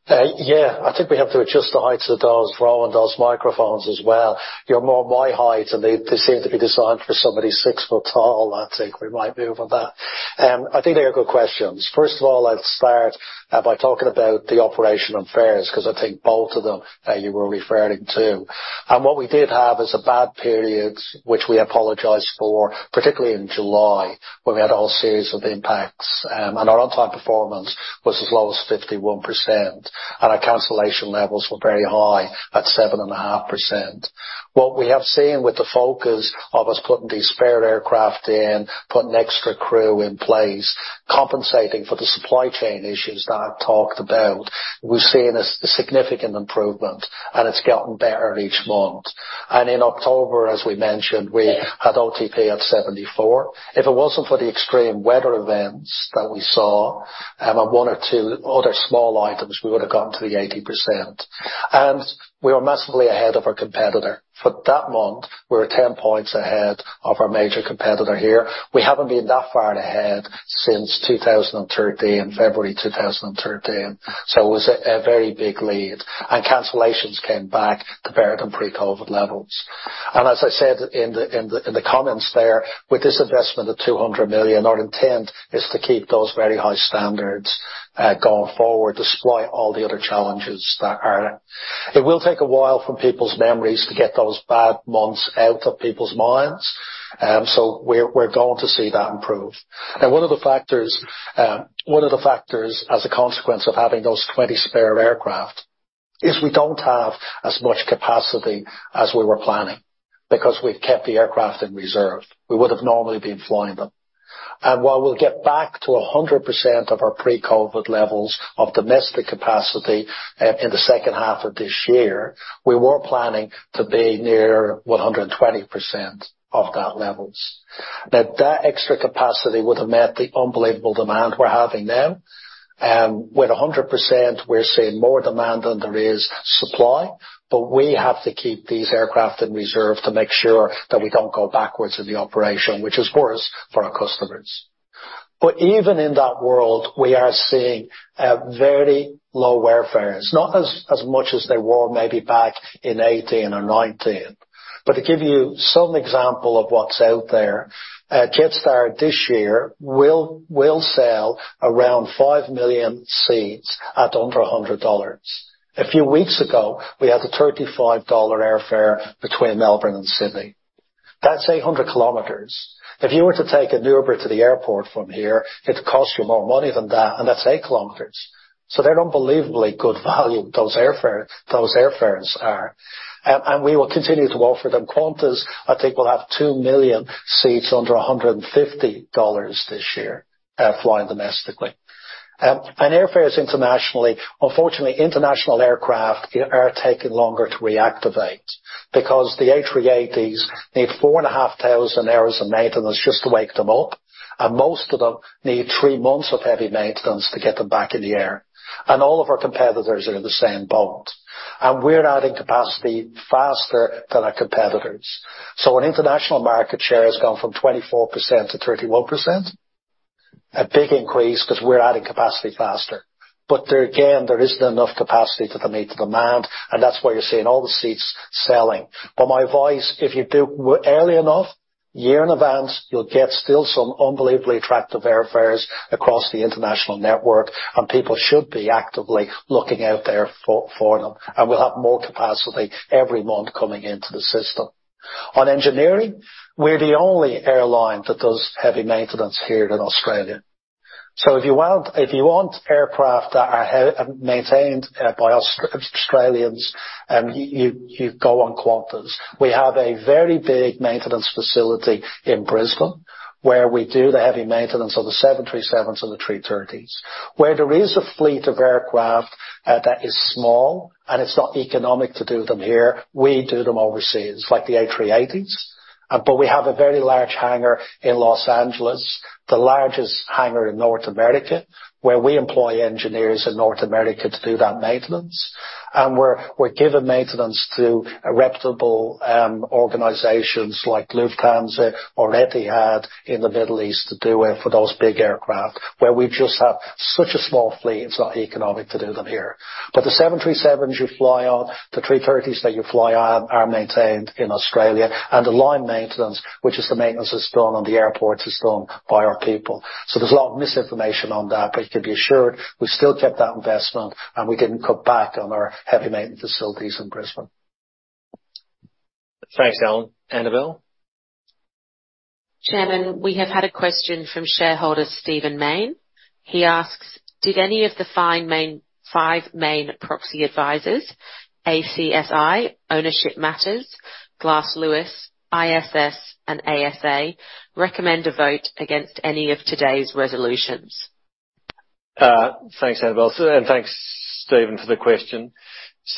Yeah. I think we have to adjust the heights of those, Rowan, those microphones as well. You're more my height, and they seem to be designed for somebody six foot tall. I think we might move on that. I think they are good questions. First of all, I'd start by talking about the operation on fares because I think both of them you were referring to. What we did have is a bad period, which we apologized for, particularly in July, when we had a whole series of impacts. Our on time performance was as low as 51%, and our cancellation levels were very high at 7.5%. What we have seen with the focus of us putting these spare aircraft in, putting extra crew in place, compensating for the supply chain issues that I've talked about, we've seen a significant improvement, and it's gotten better each month. In October, as we mentioned, we had OTP at 74. If it wasn't for the extreme weather events that we saw, and one or two other small items, we would have gotten to the 80%. We were massively ahead of our competitor. For that month, we were 10 points ahead of our major competitor here. We haven't been that far ahead since 2013, February 2013. It was a very big lead. Cancellations came back to better than pre-COVID levels. As I said in the comments there, with this investment of 200 million, our intent is to keep those very high standards going forward despite all the other challenges that are there. It will take a while from people's memories to get those bad months out of people's minds. We're going to see that improve. One of the factors as a consequence of having those 20 spare aircraft is we don't have as much capacity as we were planning because we've kept the aircraft in reserve. We would have normally been flying them. While we'll get back to 100% of our pre-COVID levels of domestic capacity in the second half of this year, we were planning to be near 120% of that levels. Now, that extra capacity would have met the unbelievable demand we're having now. With 100%, we're seeing more demand than there is supply, but we have to keep these aircraft in reserve to make sure that we don't go backwards in the operation, which is worse for our customers. Even in that world, we are seeing very low airfares. Not as much as they were maybe back in 2018 or 2019. To give you some example of what's out there, Jetstar this year will sell around five million seats at under 100 dollars. A few weeks ago, we had a 35 dollar airfare between Melbourne and Sydney. That's 800 kilometers. If you were to take an Uber to the airport from here, it'd cost you more money than that, and that's 8 kilometers. They're unbelievably good value, those airfares are. We will continue to offer them. Qantas, I think, will have two million seats under 150 dollars this year, flying domestically. Airfares internationally. Unfortunately, international aircraft are taking longer to reactivate because the A380s need 4,500 hours of maintenance just to wake them up. Most of them need three months of heavy maintenance to get them back in the air. All of our competitors are in the same boat. We're adding capacity faster than our competitors. When international market share has gone from 24%-31%, a big increase because we're adding capacity faster. There again, there isn't enough capacity to meet the demand, and that's why you're seeing all the seats selling. My advice, if you book early enough, year in advance, you'll get still some unbelievably attractive airfares across the international network, and people should be actively looking out there for them. We'll have more capacity every month coming into the system. On engineering, we're the only airline that does heavy maintenance here in Australia. If you want aircraft that are maintained by Australians, you go on Qantas. We have a very big maintenance facility in Brisbane, where we do the heavy maintenance on the 737s and the 330s. Where there is a fleet of aircraft that is small and it's not economic to do them here, we do them overseas, like the A380s. We have a very large hangar in Los Angeles, the largest hangar in North America, where we employ engineers in North America to do that maintenance. We're giving maintenance to reputable organizations like Lufthansa or Etihad in the Middle East to do it for those big aircraft, where we just have such a small fleet, it's not economic to do them here. The 737s you fly on, the 330s that you fly on are maintained in Australia. The line maintenance, which is the maintenance that's done on the airport, is done by our people. There's a lot of misinformation on that, but you can be assured we still kept that investment, and we didn't cut back on our heavy maintenance facilities in Brisbane. Thanks, Alan. Anabel? Chairman, we have had a question from shareholder Stephen Mayne. He asks, "Did any of the five main proxy advisors, ACSI, Ownership Matters, Glass Lewis, ISS, and ASA, recommend a vote against any of today's resolutions? Thanks, Anabel. Thanks Stephen for the question.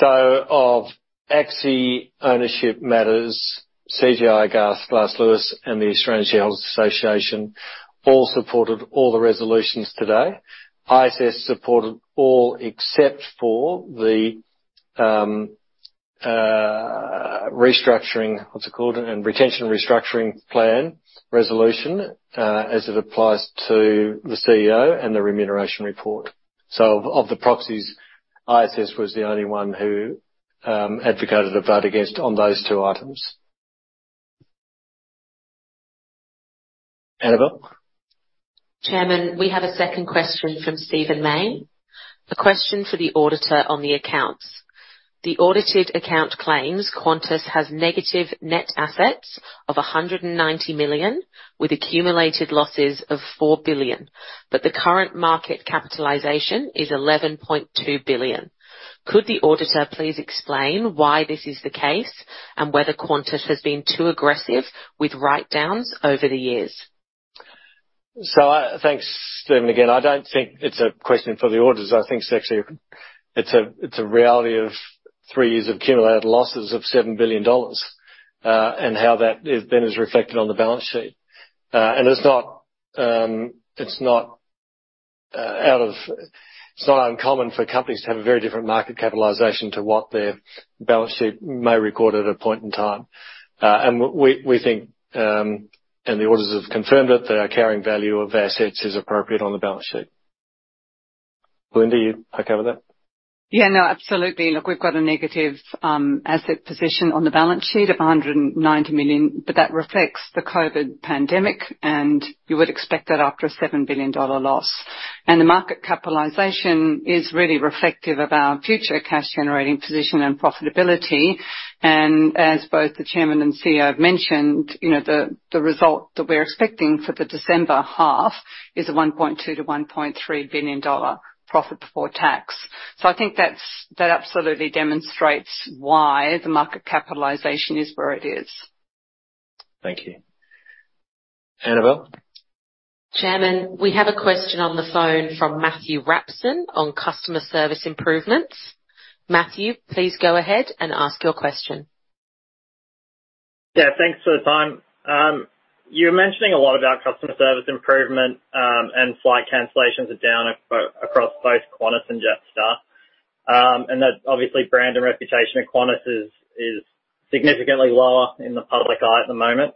Of ACSI, Ownership Matters, CGI, Glass Lewis, and the Australian Shareholders' Association all supported all the resolutions today. ISS supported all except for the restructuring, what's it called, retention restructuring plan resolution, as it applies to the CEO and the remuneration report. Of the proxies, ISS was the only one who advocated a vote against on those two items. Anabel? Chairman, we have a second question from Stephen Mayne. A question for the auditor on the accounts. The audited account claims Qantas has negative net assets of 190 million with accumulated losses of 4 billion, but the current market capitalization is 11.2 billion. Could the auditor please explain why this is the case and whether Qantas has been too aggressive with write-downs over the years? Thanks, Stephen, again. I don't think it's a question for the auditors. I think it's actually a reality of three years of accumulated losses of 7 billion dollars, and how that is reflected on the balance sheet. It's not uncommon for companies to have a very different market capitalization to what their balance sheet may record at a point in time. We think, and the auditors have confirmed it, the carrying value of our assets is appropriate on the balance sheet. Belinda, you wanna cover that? Yeah, no, absolutely. Look, we've got a negative asset position on the balance sheet of 190 million, but that reflects the COVID pandemic, and you would expect that after a AUD 7 billion loss. The market capitalization is really reflective of our future cash-generating position and profitability. As both the chairman and CEO have mentioned, you know, the result that we're expecting for the December half is a 1.2 billion-1.3 billion dollar profit before tax. I think that absolutely demonstrates why the market capitalization is where it is. Thank you. Anabel? Chairman, we have a question on the phone from Matthew Rapson on customer service improvements. Matthew, please go ahead and ask your question. Yeah, thanks for the time. You're mentioning a lot about customer service improvement, and flight cancellations are down across both Qantas and Jetstar. That obviously brand and reputation of Qantas is significantly lower in the public eye at the moment.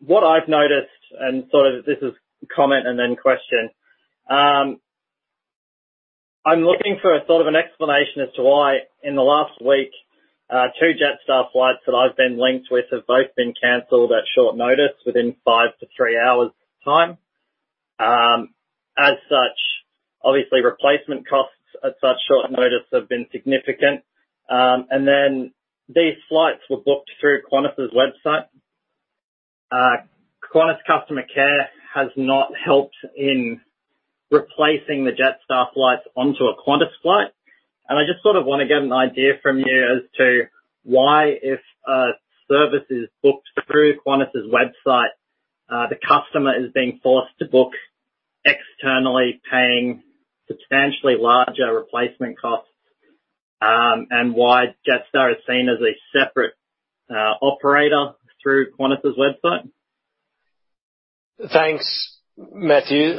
What I've noticed, and sort of this is comment and then question, I'm looking for a sort of an explanation as to why in the last week, two Jetstar flights that I've been linked with have both been canceled at short notice within three to five hours time. As such, obviously replacement costs at such short notice have been significant. These flights were booked through Qantas's website. Qantas customer care has not helped in replacing the Jetstar flight onto a Qantas flight. I just sort of wanna get an idea from you as to why, if a service is booked through Qantas's website, the customer is being forced to book externally, paying substantially larger replacement costs, and why Jetstar is seen as a separate operator through Qantas's website? Thanks, Matthew.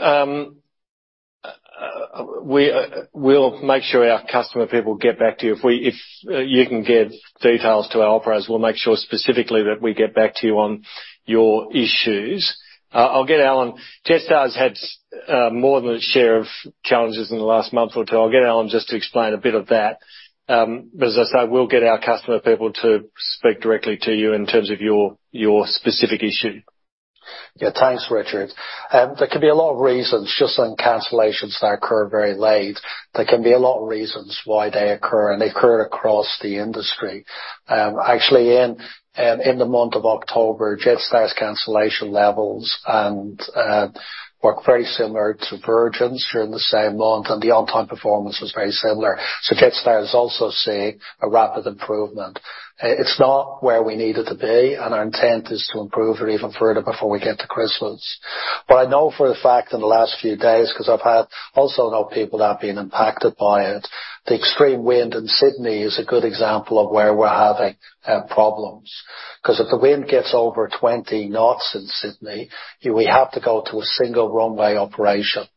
We'll make sure our customer people get back to you. If you can get details to our operators, we'll make sure specifically that we get back to you on your issues. I'll get Alan. Jetstar's had more than its share of challenges in the last month or two. I'll get Alan just to explain a bit of that. As I say, we'll get our customer people to speak directly to you in terms of your specific issue. Yeah. Thanks, Richard. There can be a lot of reasons just on cancellations that occur very late. There can be a lot of reasons why they occur, and they occur across the industry. Actually in the month of October, Jetstar's cancellation levels and were very similar to Virgin's during the same month, and the on-time performance was very similar. Jetstar is also seeing a rapid improvement. It's not where we need it to be, and our intent is to improve it even further before we get to Christmas. I know for a fact in the last few days, 'cause I've had also a lot of people that have been impacted by it, the extreme wind in Sydney is a good example of where we're having problems. 'Cause if the wind gets over 20 knots in Sydney, we have to go to a single runway operation.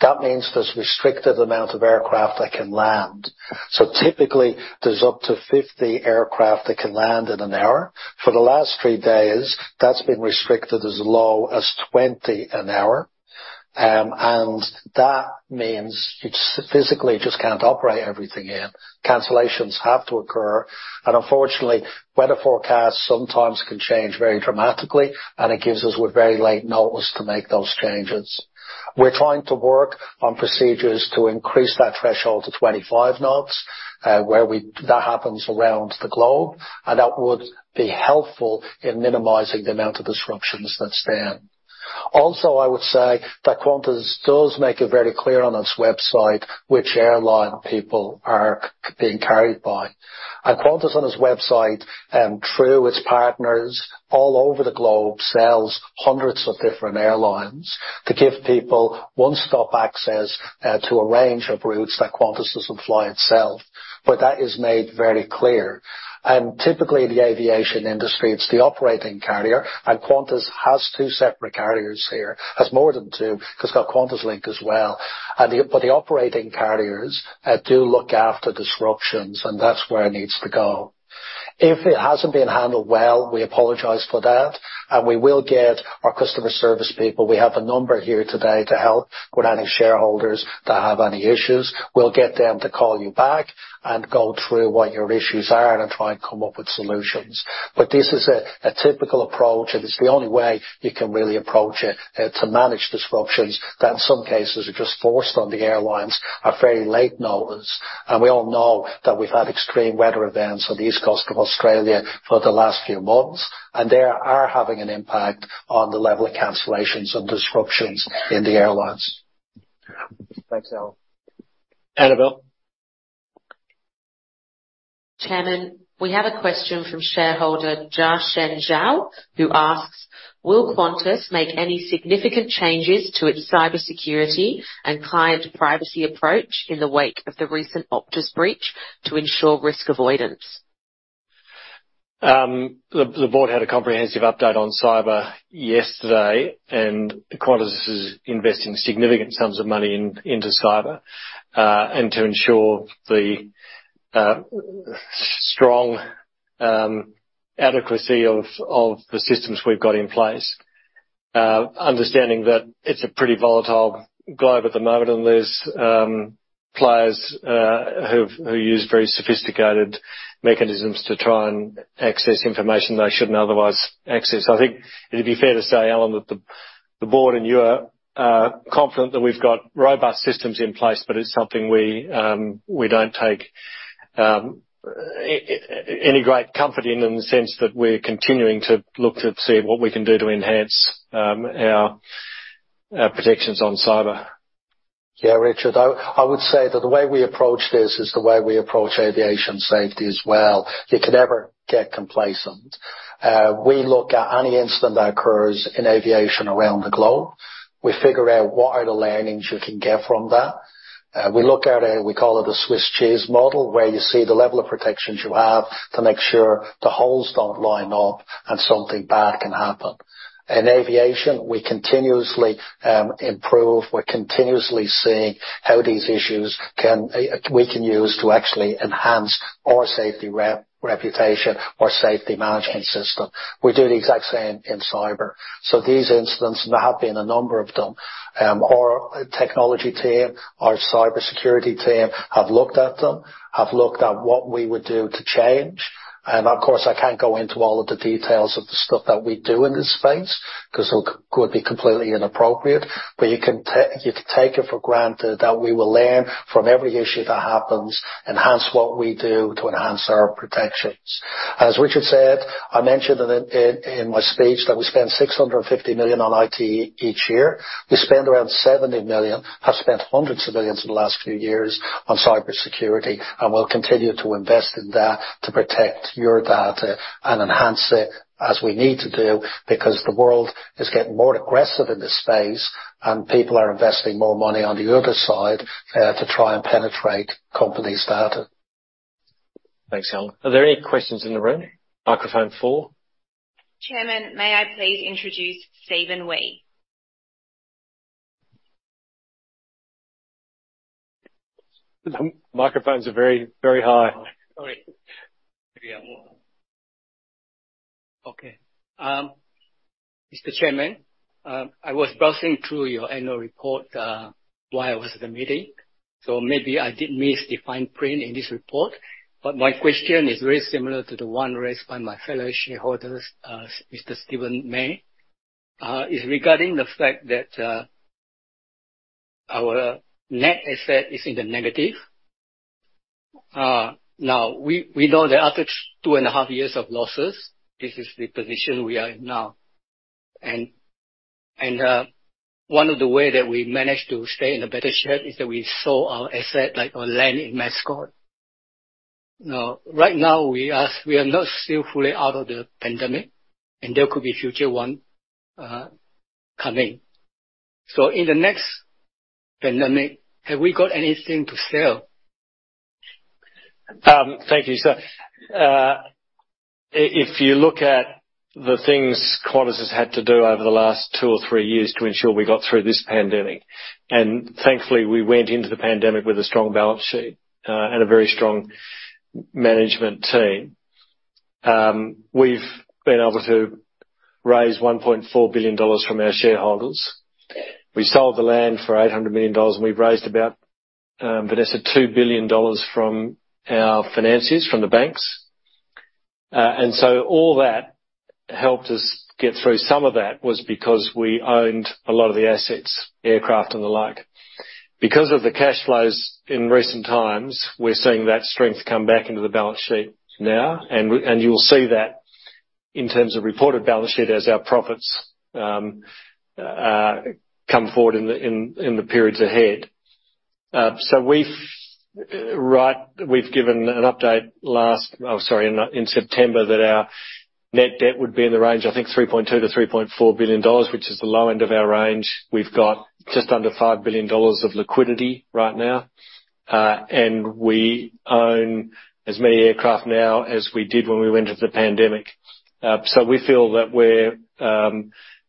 That means there's restricted amount of aircraft that can land. Typically, there's up to 50 aircraft that can land in an hour. For the last three days, that's been restricted as low as 20 an hour. Physically just can't operate everything here. Cancellations have to occur. Unfortunately, weather forecasts sometimes can change very dramatically, and it gives us with very late notice to make those changes. We're trying to work on procedures to increase that threshold to 25 knots, where that happens around the globe, and that would be helpful in minimizing the amount of disruptions that stand. Also, I would say that Qantas does make it very clear on its website which airline people are being carried by. Qantas on its website, through its partners all over the globe, sells hundreds of different airlines to give people one-stop access to a range of routes that Qantas doesn't fly itself. That is made very clear. Typically, the aviation industry, it's the operating carrier, and Qantas has two separate carriers here. Has more than two, 'cause they've got QantasLink as well. but the operating carriers do look after disruptions, and that's where it needs to go. If it hasn't been handled well, we apologize for that, and we will get our customer service people, we have a number here today to help with any shareholders that have any issues. We'll get them to call you back and go through what your issues are and try and come up with solutions. This is a typical approach, and it's the only way you can really approach it, to manage disruptions that in some cases are just forced on the airlines at very late notice. We all know that we've had extreme weather events on the east coast of Australia for the last few months, and they are having an impact on the level of cancellations and disruptions in the airlines. Thanks, Alan. Anabel? Chairman, we have a question from shareholder Jiasheng Zhao, who asks, "Will Qantas make any significant changes to its cybersecurity and client privacy approach in the wake of the recent Optus breach to ensure risk avoidance? The board had a comprehensive update on cyber yesterday, and Qantas is investing significant sums of money into cyber and to ensure the strong adequacy of the systems we've got in place. Understanding that it's a pretty volatile globe at the moment, and there's players who use very sophisticated mechanisms to try and access information they shouldn't otherwise access. I think it'd be fair to say, Alan, that the board and you are confident that we've got robust systems in place, but it's something we don't take any great comfort in the sense that we're continuing to look to see what we can do to enhance our protections on cyber. Yeah, Richard, I would say that the way we approach this is the way we approach aviation safety as well. You can never get complacent. We look at any incident that occurs in aviation around the globe. We figure out what are the learnings you can get from that. We look at, we call it a Swiss cheese model, where you see the level of protections you have to make sure the holes don't line up and something bad can happen. In aviation, we continuously improve, we're continuously seeing how these issues we can use to actually enhance our safety reputation, our safety management system. We do the exact same in cyber. These incidents, and there have been a number of them, our technology team, our cybersecurity team have looked at them, have looked at what we would do to change. Of course, I can't go into all of the details of the stuff that we do in this space, cause it would be completely inappropriate, but you can take it for granted that we will learn from every issue that happens, enhance what we do to enhance our protections. As Richard said, I mentioned in my speech that we spend 650 million on IT each year. We spend around 70 million, have spent hundreds of millions in the last few years on cybersecurity, and we'll continue to invest in that to protect your data and enhance it as we need to do because the world is getting more aggressive in this space, and people are investing more money on the other side to try and penetrate companies' data. Thanks, Alan. Are there any questions in the room? Microphone four. Chairman, may I please introduce Stephen Wei. The microphones are very, very high. Sorry. Maybe I won't. Okay. Mr. Chairman, I was browsing through your annual report while I was at the meeting, so maybe I did miss the fine print in this report, but my question is very similar to the one raised by my fellow shareholder, Mr. Stephen Mayne. It's regarding the fact that our net asset is in the negative. Now, we know that after two and a half years of losses, this is the position we are in now. One of the way that we managed to stay in a better shape is that we sold our asset, like our land in Mascot. Now, right now, we are not still fully out of the pandemic, and there could be future one coming. In the next pandemic, have we got anything to sell? Thank you, sir. If you look at the things Qantas has had to do over the last two or three years to ensure we got through this pandemic, and thankfully, we went into the pandemic with a strong balance sheet, and a very strong management team. We've been able to raise 1.4 billion dollars from our shareholders. We sold the land for 800 million dollars, and we've raised about, Vanessa, 2 billion dollars from our financiers, from the banks. All that helped us get through. Some of that was because we owned a lot of the assets, aircraft and the like. Because of the cash flows in recent times, we're seeing that strength come back into the balance sheet now, and you'll see that in terms of reported balance sheet as our profits come forward in the periods ahead. We've given an update in September that our net debt would be in the range, I think 3.2 billion to 3.4 billion dollars, which is the low end of our range. We've got just under 5 billion dollars of liquidity right now, and we own as many aircraft now as we did when we went into the pandemic. We feel that we're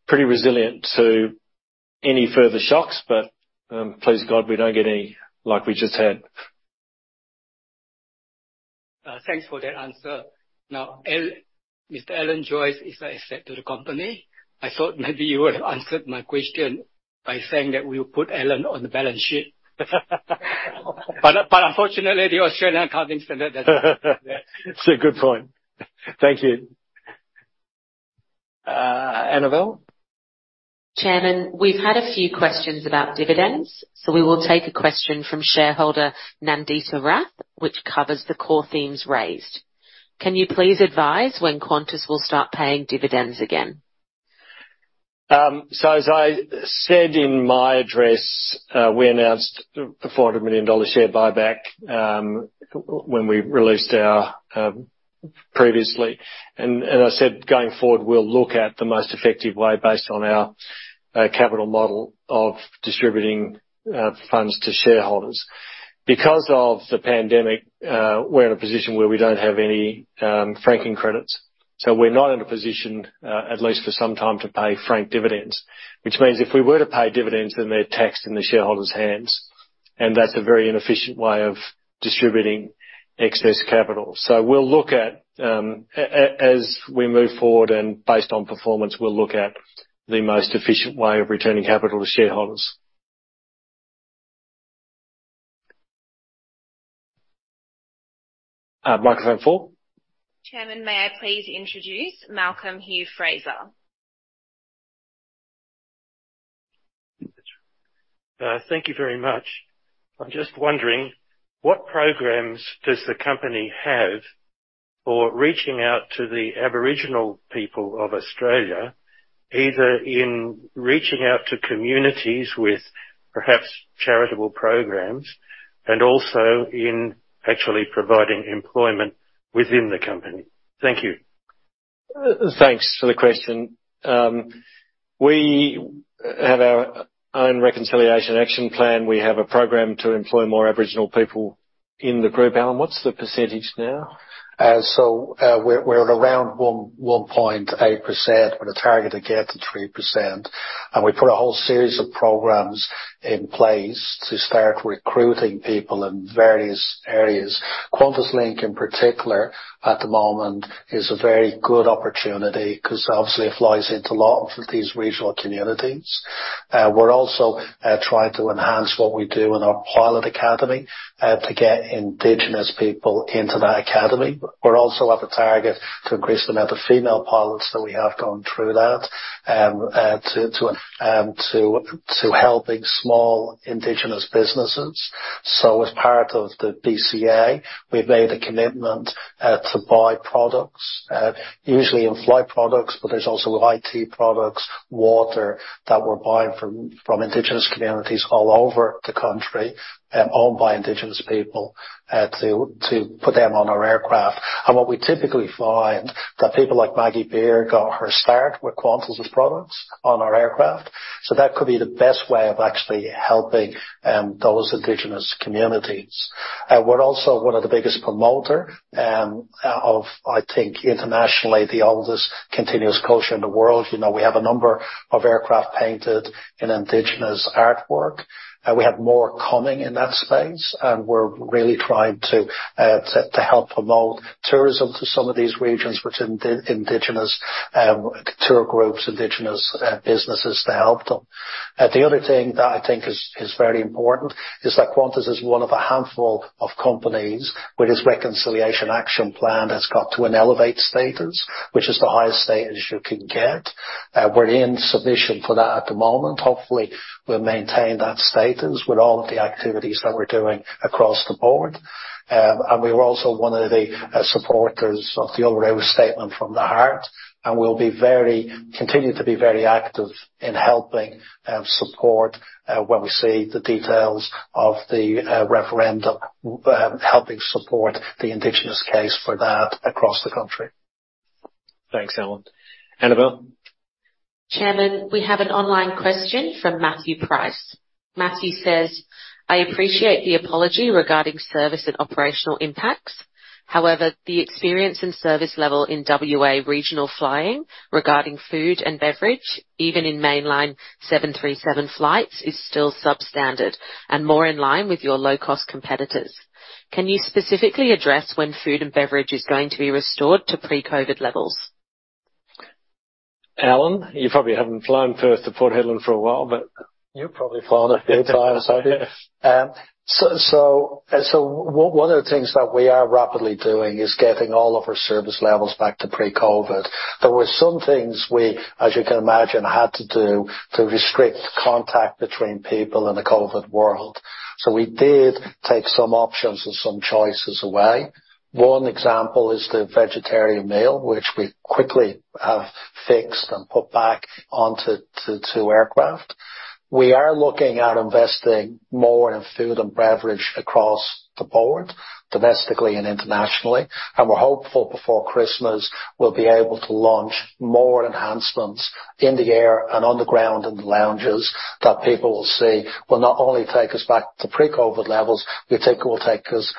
pretty resilient to any further shocks, but please, God, we don't get any like we just had. Thanks for that answer. Now, Mr. Alan Joyce is an asset to the company. I thought maybe you would have answered my question by saying that we'll put Alan on the balance sheet. Unfortunately, the Australian accounting standard doesn't allow that. It's a good point. Thank you. Anabel? Chairman, we've had a few questions about dividends, so we will take a question from shareholder Nandita Rath, which covers the core themes raised. Can you please advise when Qantas will start paying dividends again? As I said in my address, we announced the 400 million dollar share buyback when we released our previously. I said, going forward, we'll look at the most effective way based on our capital model of distributing funds to shareholders. Because of the pandemic, we're in a position where we don't have any franking credits, so we're not in a position, at least for some time to pay franked dividends. Which means, if we were to pay dividends, then they're taxed in the shareholders' hands, and that's a very inefficient way of distributing excess capital. We'll look at, as we move forward and based on performance, we'll look at the most efficient way of returning capital to shareholders. Microphone four. Chairman, may I please introduce Malcolm Hugh-Fraser? Thank you very much. I'm just wondering, what programs does the company have for reaching out to the Aboriginal people of Australia, either in reaching out to communities with perhaps charitable programs and also in actually providing employment within the company? Thank you. Thanks for the question. We have our own Reconciliation Action Plan. We have a program to employ more Aboriginal people in the group. Alan, what's the percentage now? We're at around 1.8% with a target to get to 3%. We put a whole series of programs in place to start recruiting people in various areas. QantasLink in particular at the moment is a very good opportunity because obviously it flies into a lot of these regional communities. We're also trying to enhance what we do in our pilot academy to get Indigenous people into that academy. We also have a target to increase the amount of female pilots that we have gone through that to helping small Indigenous businesses. As part of the BCA, we've made a commitment to buy products, usually in-flight products, but there's also IT products, water that we're buying from indigenous communities all over the country, owned by indigenous people, to put them on our aircraft. What we typically find that people like Maggie Beer got her start with Qantas's products on our aircraft. That could be the best way of actually helping those indigenous communities. We're also one of the biggest promoter of, I think, internationally, the oldest continuous culture in the world. You know, we have a number of aircraft painted in indigenous artwork, and we have more coming in that space. We're really trying to help promote tourism to some of these regions with indigenous tour groups, indigenous businesses to help them. The other thing that I think is very important is that Qantas is one of a handful of companies with its Reconciliation Action Plan that's got to an Elevate status, which is the highest status you can get. We're in submission for that at the moment. Hopefully, we'll maintain that status with all of the activities that we're doing across the board. We're also one of the supporters of the Uluru Statement from the Heart, and we'll continue to be very active in helping support when we see the details of the referendum, helping support the Indigenous case for that across the country. Thanks, Alan. Anabel? Chairman, we have an online question from Matthew Price. Matthew says, "I appreciate the apology regarding service and operational impacts. However, the experience and service level in WA regional flying regarding food and beverage, even in mainline 737 flights, is still substandard and more in line with your low-cost competitors. Can you specifically address when food and beverage is going to be restored to pre-COVID levels? Alan, you probably haven't flown Perth to Port Hedland for a while, but— You've probably flown a fair time. Yes. One of the things that we are rapidly doing is getting all of our service levels back to pre-COVID. There were some things we, as you can imagine, had to do to restrict contact between people in the COVID world. We did take some options and some choices away. One example is the vegetarian meal, which we quickly have fixed and put back to aircraft. We are looking at investing more in food and beverage across the board, domestically and internationally. We're hopeful before Christmas, we'll be able to launch more enhancements in the air and on the ground in the lounges that people will see will not only take us back to pre-COVID levels, we think it will take us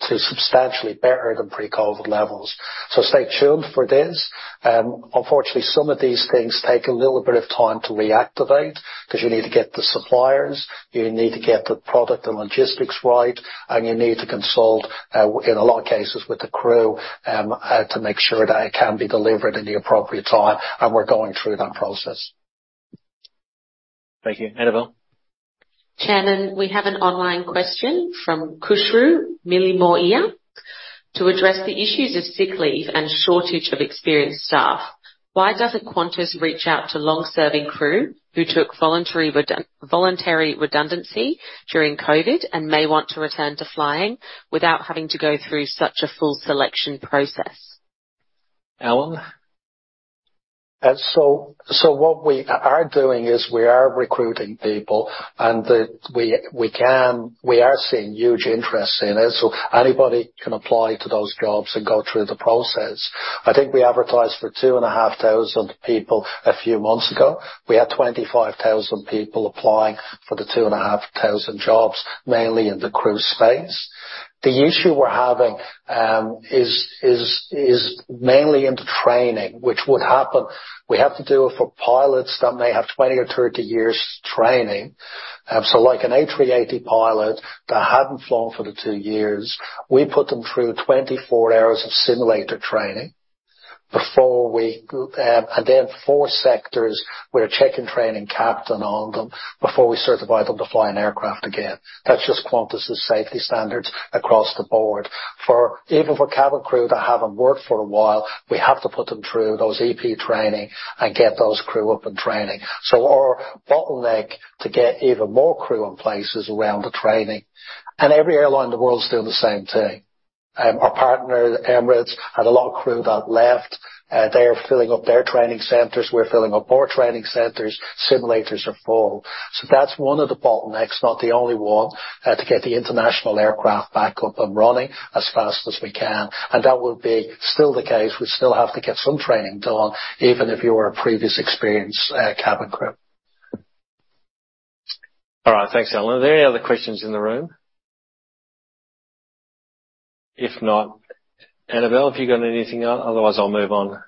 to substantially better than pre-COVID levels. Stay tuned for this. Unfortunately, some of these things take a little bit of time to reactivate 'cause you need to get the suppliers, you need to get the product and logistics right, and you need to consult, in a lot of cases with the crew, to make sure that it can be delivered in the appropriate time. We're going through that process. Thank you. Anabel? Chairman, we have an online question from Khushru Milimoyia. To address the issues of sick leave and shortage of experienced staff, why doesn't Qantas reach out to long-serving crew who took voluntary redundancy during COVID and may want to return to flying without having to go through such a full selection process? Alan? What we are doing is we are recruiting people. We are seeing huge interest in it. Anybody can apply to those jobs and go through the process. I think we advertised for 2,500 people a few months ago. We had 25,000 people applying for the 2,500 jobs, mainly in the crew space. The issue we're having is mainly in the training, which would happen. We have to do it for pilots that may have 20 or 30 years training. Like an A380 pilot that hadn't flown for the two years, we put them through 24 hours of simulator training before we. Then four sectors, we're checking training captain on them before we certify them to fly an aircraft again. That's just Qantas' safety standards across the board. For even for cabin crew that haven't worked for a while, we have to put them through those EP training and get those crew up and training. Our bottleneck to get even more crew in place is around the training. Every airline in the world is doing the same thing. Our partner, Emirates, had a lot of crew that left. They're filling up their training centers. We're filling up more training centers. Simulators are full. That's one of the bottlenecks, not the only one, to get the international aircraft back up and running as fast as we can. That will be still the case. We still have to get some training done, even if you were a previous experienced cabin crew. All right. Thanks, Alan. Are there any other questions in the room? If not, Anabel, have you got anything otherwise? I'll move on.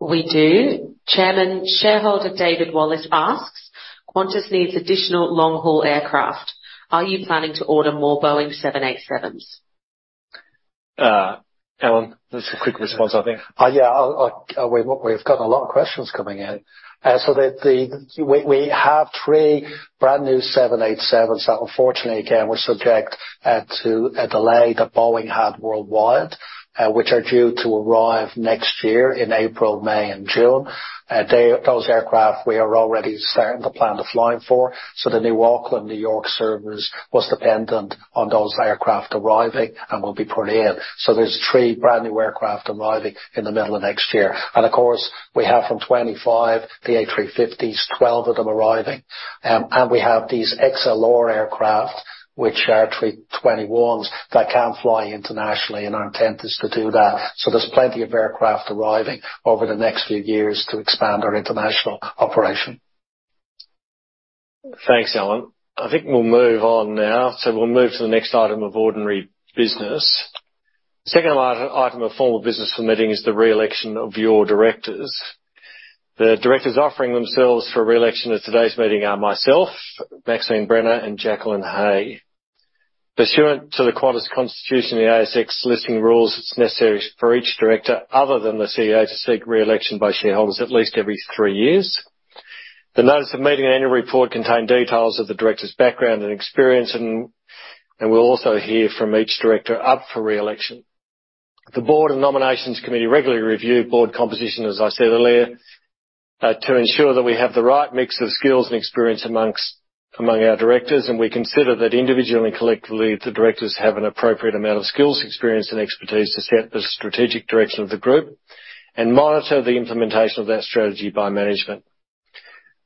We do. Chairman, shareholder David Wallace asks, Qantas needs additional long-haul aircraft. Are you planning to order more Boeing 787s? Alan, just a quick response, I think. Yeah. We've got a lot of questions coming in. We have three brand new 787s that unfortunately, again, were subject to a delay that Boeing had worldwide, which are due to arrive next year in April, May and June. Those aircraft we are already starting to plan the flying for. The new Auckland, New York service was dependent on those aircraft arriving and will be put in. There's three brand new aircraft arriving in the middle of next year. Of course we have from 2025, the A350s, 12 of them arriving. We have these XLR aircraft which are 321s that can fly internationally, and our intent is to do that. There's plenty of aircraft arriving over the next few years to expand our international operation. Thanks, Alan. I think we'll move on now. We'll move to the next item of ordinary business. Second item of formal business for meeting is the re-election of your directors. The directors offering themselves for re-election at today's meeting are myself, Maxine Brenner and Jacqueline Hey. Pursuant to the Qantas Constitution, the ASX Listing Rules, it's necessary for each director other than the CEO to seek re-election by shareholders at least every three years. The notice of meeting and annual report contain details of the director's background and experience, and we'll also hear from each director up for re-election. The board and nominations committee regularly review board composition, as I said earlier, to ensure that we have the right mix of skills and experience among our directors. We consider that individually and collectively, the directors have an appropriate amount of skills, experience and expertise to set the strategic direction of the group and monitor the implementation of that strategy by management.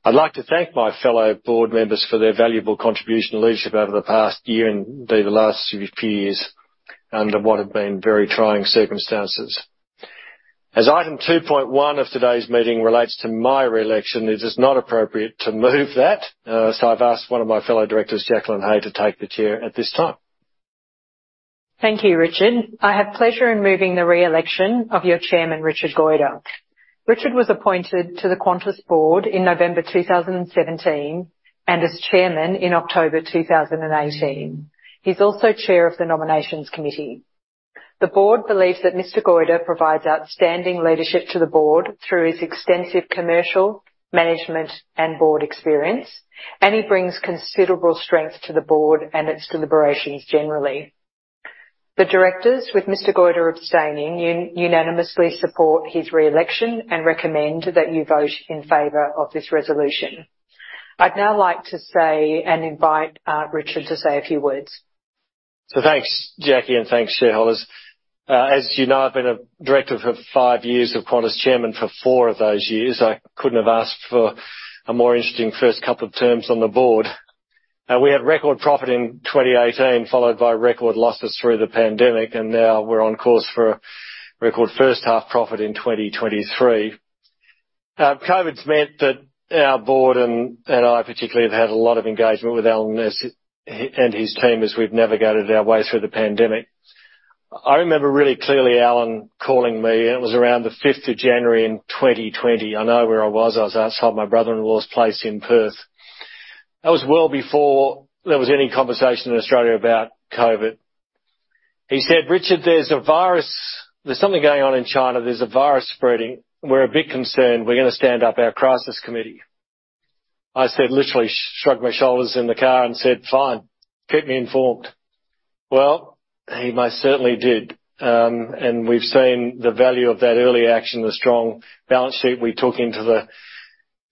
I'd like to thank my fellow board members for their valuable contribution and leadership over the past year, indeed the last few years, under what have been very trying circumstances. As item two point one of today's meeting relates to my re-election, it is not appropriate to move that. I've asked one of my fellow directors, Jacqueline Hey, to take the chair at this time. Thank you, Richard. I have pleasure in moving the re-election of your chairman, Richard Goyder. Richard was appointed to the Qantas board in November 2017, and as chairman in October 2018. He's also chair of the nominations committee. The board believes that Mr. Goyder provides outstanding leadership to the board through his extensive commercial, management and board experience, and he brings considerable strength to the board and its deliberations generally. The directors, with Mr. Goyder abstaining, unanimously support his re-election and recommend that you vote in favor of this resolution. I'd now like to say and invite, Richard to say a few words. Thanks, Jackie, and thanks, shareholders. As you know, I've been a director for five years of Qantas, chairman for four of those years. I couldn't have asked for a more interesting first couple of terms on the board. We had record profit in 2018, followed by record losses through the pandemic, and now we're on course for a record first half profit in 2023. COVID's meant that our board and I particularly have had a lot of engagement with Alan and his team as we've navigated our way through the pandemic. I remember really clearly Alan calling me, and it was around the fifth of January in 2020. I know where I was. I was outside my brother-in-law's place in Perth. That was well before there was any conversation in Australia about COVID. He said, "Richard, there's a virus. There's something going on in China. There's a virus spreading. We're a bit concerned. We're gonna stand up our crisis committee." I said, literally shrugged my shoulders in the car and said, "Fine. Keep me informed." Well, he most certainly did. We've seen the value of that early action, the strong balance sheet we took into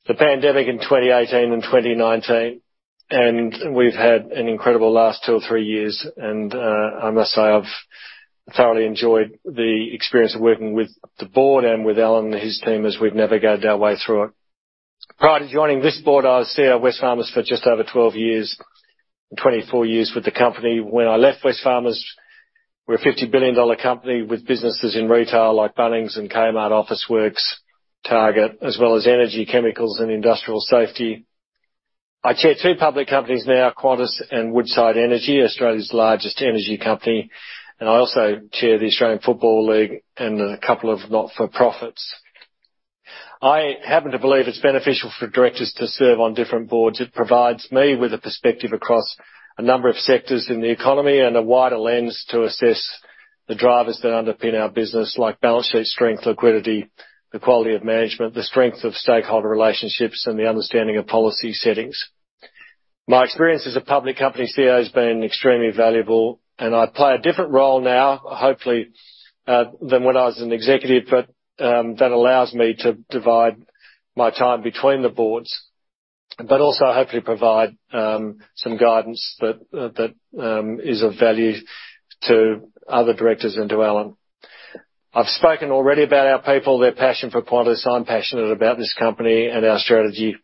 the pandemic in 2018 and 2019, and we've had an incredible last two or three years. I must say, I've thoroughly enjoyed the experience of working with the board and with Alan and his team as we've navigated our way through it. Prior to joining this board, I was CEO of Wesfarmers for just over 12 years, and 24 years with the company. When I left Wesfarmers, we were an 50 billion dollar company with businesses in retail like Bunnings and Kmart, Officeworks, Target, as well as energy, chemicals and industrial safety. I chair two public companies now, Qantas and Woodside Energy, Australia's largest energy company. I also chair the Australian Football League and a couple of not-for-profits. I happen to believe it's beneficial for directors to serve on different boards. It provides me with a perspective across a number of sectors in the economy and a wider lens to assess the drivers that underpin our business, like balance sheet strength, liquidity, the quality of management, the strength of stakeholder relationships, and the understanding of policy settings. My experience as a public company CEO has been extremely valuable, and I play a different role now, hopefully, than when I was an executive. that allows me to divide my time between the boards. That also hopefully provides some guidance that is of value to other directors and to Alan. I've spoken already about our people, their passion for Qantas. I'm passionate about this company and our strategy.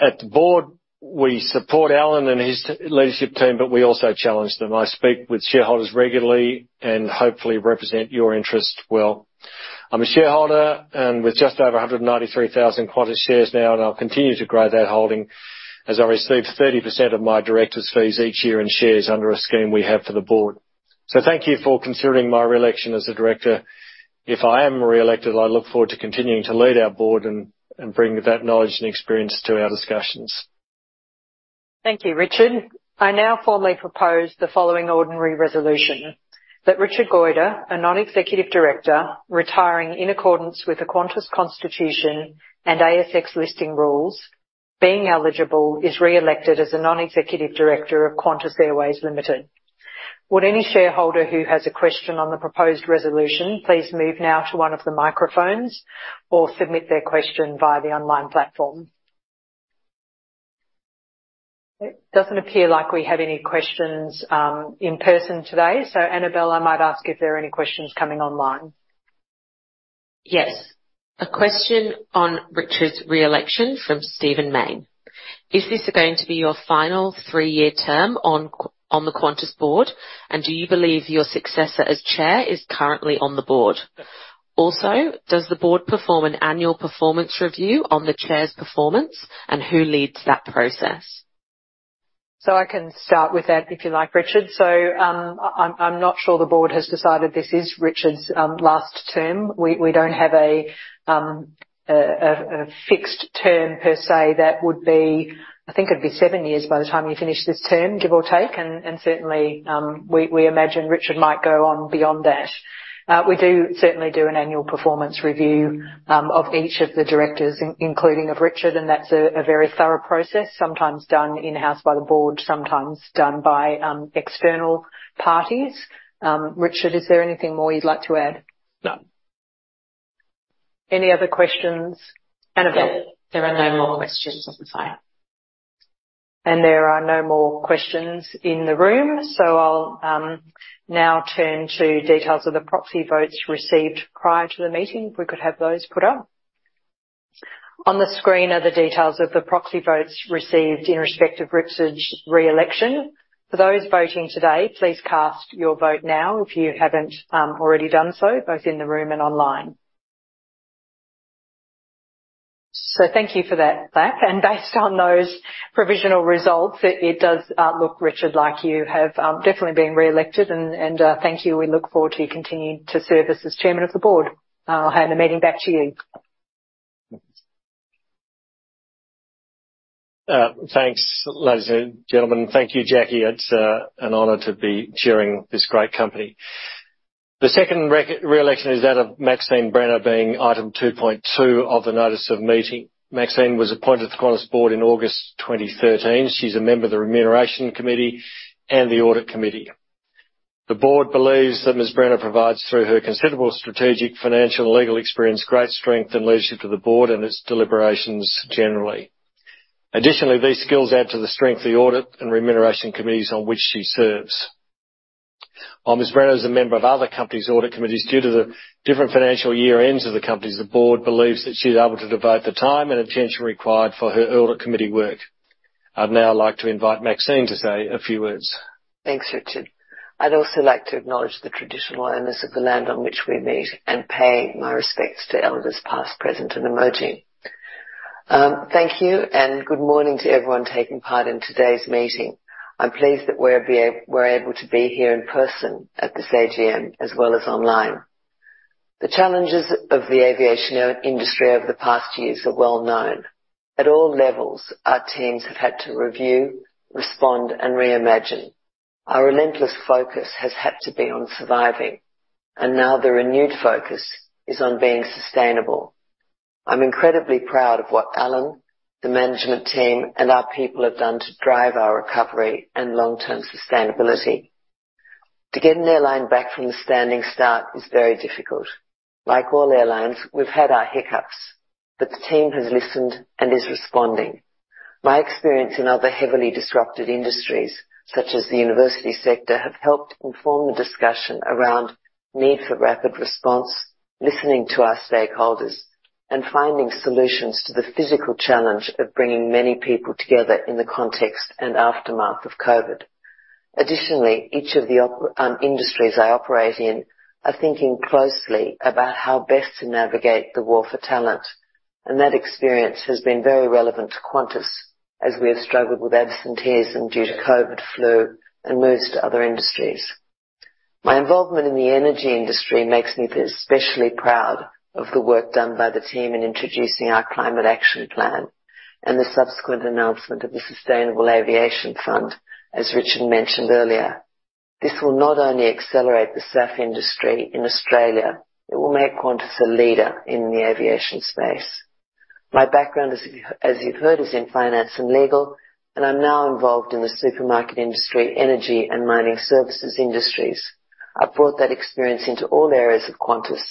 On the board, we support Alan and his leadership team, but we also challenge them. I speak with shareholders regularly and hopefully represent your interests well. I'm a shareholder, and with just over 193,000 Qantas shares now, and I'll continue to grow that holding as I receive 30% of my director's fees each year in shares under a scheme we have for the board. Thank you for considering my re-election as a director. If I am re-elected, I look forward to continuing to lead our board and bring that knowledge and experience to our discussions. Thank you, Richard. I now formally propose the following ordinary resolution: That Richard Goyder, a non-executive director, retiring in accordance with the Qantas Constitution and ASX Listing Rules, being eligible, is re-elected as a non-executive director of Qantas Airways Limited. Would any shareholder who has a question on the proposed resolution please move now to one of the microphones or submit their question via the online platform? It doesn't appear like we have any questions in person today. Anabel, I might ask if there are any questions coming online. Yes. A question on Richard's re-election from Stephen Mayne. Is this going to be your final three-year term on the Qantas board? And do you believe your successor as chair is currently on the board? Also, does the board perform an annual performance review on the chair's performance? And who leads that process? I can start with that, if you like, Richard. I'm not sure the board has decided this is Richard's last term. We don't have a fixed term per se that would be. I think it'd be seven years by the time you finish this term, give or take, and certainly, we imagine Richard might go on beyond that. We do certainly do an annual performance review of each of the directors, including of Richard, and that's a very thorough process, sometimes done in-house by the board, sometimes done by external parties. Richard, is there anything more you'd like to add? No. Any other questions? Anabel? There are no more questions on the phone. There are no more questions in the room. I'll now turn to details of the proxy votes received prior to the meeting. If we could have those put up. On the screen are the details of the proxy votes received in respect of Richard's re-election. For those voting today, please cast your vote now if you haven't already done so, both in the room and online. Thank you for that, Beth. Based on those provisional results, it does look, Richard, like you have definitely been re-elected. Thank you. We look forward to you continuing to serve as the chairman of the board. I'll hand the meeting back to you. Thanks, ladies and gentlemen. Thank you, Jackie. It's an honor to be chairing this great company. The second re-election is that of Maxine Brenner being item 2.2 of the notice of meeting. Maxine was appointed to the Qantas board in August 2013. She's a member of the Remuneration Committee and the Audit Committee. The board believes that Ms. Brenner provides, through her considerable strategic, financial, and legal experience, great strength and leadership to the board and its deliberations generally. Additionally, these skills add to the strength of the audit and remuneration committees on which she serves. While Ms. Brenner is a member of other companies' audit committees, due to the different financial year ends of the companies, the board believes that she's able to devote the time and attention required for her audit committee work. I'd now like to invite Maxine to say a few words. Thanks, Richard. I'd also like to acknowledge the traditional owners of the land on which we meet and pay my respects to elders past, present, and emerging. Thank you and good morning to everyone taking part in today's meeting. I'm pleased that we're able to be here in person at this AGM as well as online. The challenges of the aviation industry over the past years are well known. At all levels, our teams have had to review, respond, and reimagine. Our relentless focus has had to be on surviving, and now the renewed focus is on being sustainable. I'm incredibly proud of what Alan, the management team, and our people have done to drive our recovery and long-term sustainability. To get an airline back from the standing start is very difficult. Like all airlines, we've had our hiccups, but the team has listened and is responding. My experience in other heavily disrupted industries, such as the university sector, have helped inform the discussion around need for rapid response, listening to our stakeholders, and finding solutions to the physical challenge of bringing many people together in the context and aftermath of COVID. Additionally, each of the industries I operate in are thinking closely about how best to navigate the war for talent, and that experience has been very relevant to Qantas as we have struggled with absenteeism due to COVID, flu, and most other industries. My involvement in the energy industry makes me feel especially proud of the work done by the team in introducing our Climate Action Plan and the subsequent announcement of the Qantas Climate Fund, as Richard mentioned earlier. This will not only accelerate the SAF industry in Australia, it will make Qantas a leader in the aviation space. My background, as you've heard, is in finance and legal, and I'm now involved in the supermarket industry, energy and mining services industries. I've brought that experience into all areas of Qantas.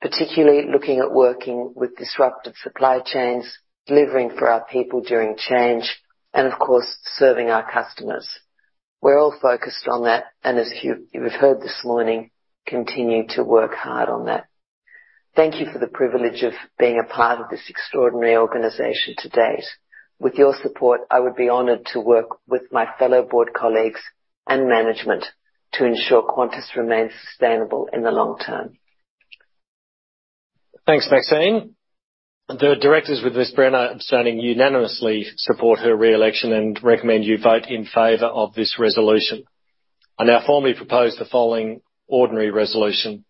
Particularly looking at working with disruptive supply chains, delivering for our people during change and of course, serving our customers. We're all focused on that, and as you have heard this morning, continue to work hard on that. Thank you for the privilege of being a part of this extraordinary organization to date. With your support, I would be honored to work with my fellow board colleagues and management to ensure Qantas remains sustainable in the long term. Thanks, Maxine. The directors with Ms. Brenner abstaining unanimously support her re-election and recommend you vote in favor of this resolution. I now formally propose the following ordinary resolution: